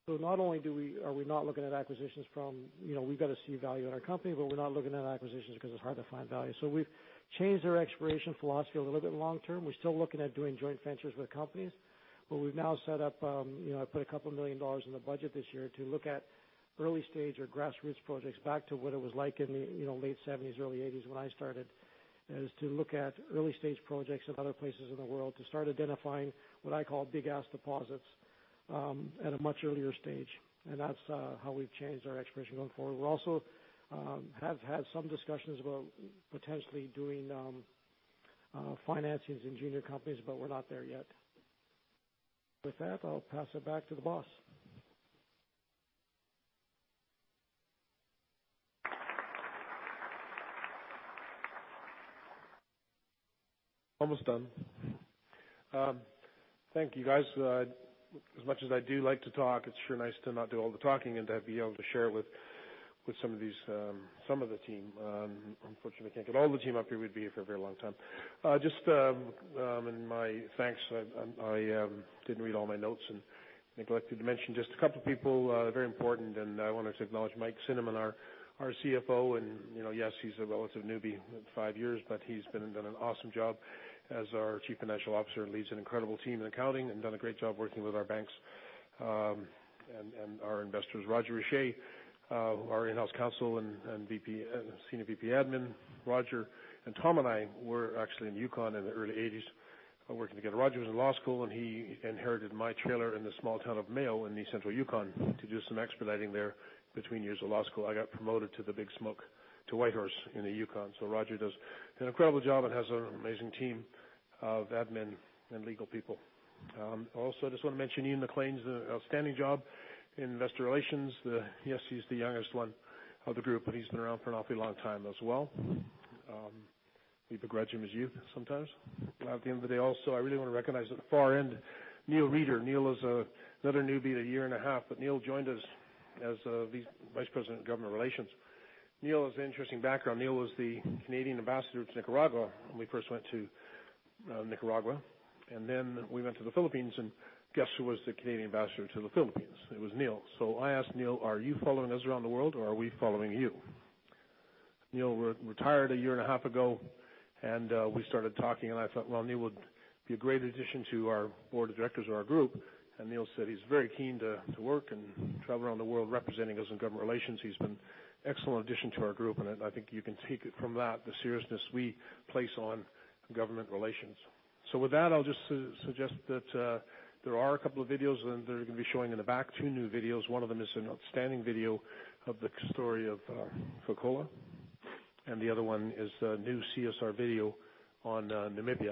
Not only are we not looking at acquisitions, we've got to see value in our company, but we're not looking at acquisitions because it's hard to find value. We've changed our exploration philosophy a little bit long term. We're still looking at doing joint ventures with companies, but we've now set up, I put $2 million in the budget this year to look at early stage or grassroots projects back to what it was like in the late 1970s, early 1980s, when I started, is to look at early stage projects of other places in the world to start identifying what I call big ass deposits at a much earlier stage, and that's how we've changed our exploration going forward. We also have had some discussions about potentially doing financings in junior companies, but we're not there yet. With that, I'll pass it back to the boss. Almost done. Thank you, guys. As much as I do like to talk, it's sure nice to not do all the talking and to be able to share it with some of the team. Unfortunately, I can't get all the team up here. We'd be here for a very long time. Just in my thanks, I didn't read all my notes and neglected to mention just a couple of people, very important, I wanted to acknowledge Mike Cinnamond, our CFO, and yes, he's a relative newbie, five years, but he's done an awesome job as our Chief Financial Officer and leads an incredible team in accounting and done a great job working with our banks and our investors. Roger Richer, our in-house counsel and Senior VP Admin. Roger and Tom and I were actually in Yukon in the early 1980s working together. Roger was in law school. He inherited my trailer in the small town of Mayo in the central Yukon to do some expediting there between years of law school. I got promoted to the big smoke, to Whitehorse in the Yukon. Roger does an incredible job and has an amazing team of admin and legal people. I just want to mention Ian MacLean's outstanding job in investor relations. Yes, he's the youngest one of the group, but he's been around for an awfully long time as well. We begrudge him his youth sometimes. At the end of the day, also, I really want to recognize at the far end, Neil Reeder. Neil is another newbie, a year and a half, but Neil joined us as the Vice President of Government Relations. Neil has an interesting background. Neil was the Canadian ambassador to Nicaragua when we first went to Nicaragua, then we went to the Philippines, and guess who was the Canadian ambassador to the Philippines? It was Neil. I asked Neil, "Are you following us around the world, or are we following you?" Neil retired a year and a half ago, and we started talking, and I thought, well, Neil would be a great addition to our board of directors or our group. Neil said he's very keen to work and travel around the world representing us in government relations. He's been excellent addition to our group, and I think you can take it from that, the seriousness we place on government relations. With that, I'll just suggest that there are a couple of videos that are going to be showing in the back, two new videos. One of them is an outstanding video of the story of Fekola, and the other one is a new CSR video on Mali.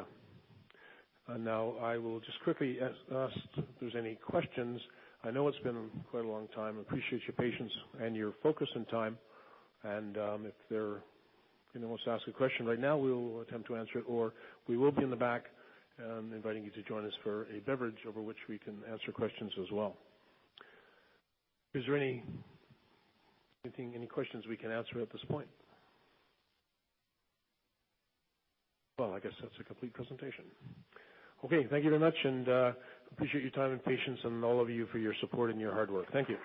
I will just quickly ask if there's any questions. I know it's been quite a long time. I appreciate your patience and your focus and time. If anyone wants to ask a question right now, we will attempt to answer it, or we will be in the back, inviting you to join us for a beverage over which we can answer questions as well. Is there anything, any questions we can answer at this point? I guess that's a complete presentation. Thank you very much, and I appreciate your time and patience and all of you for your support and your hard work. Thank you.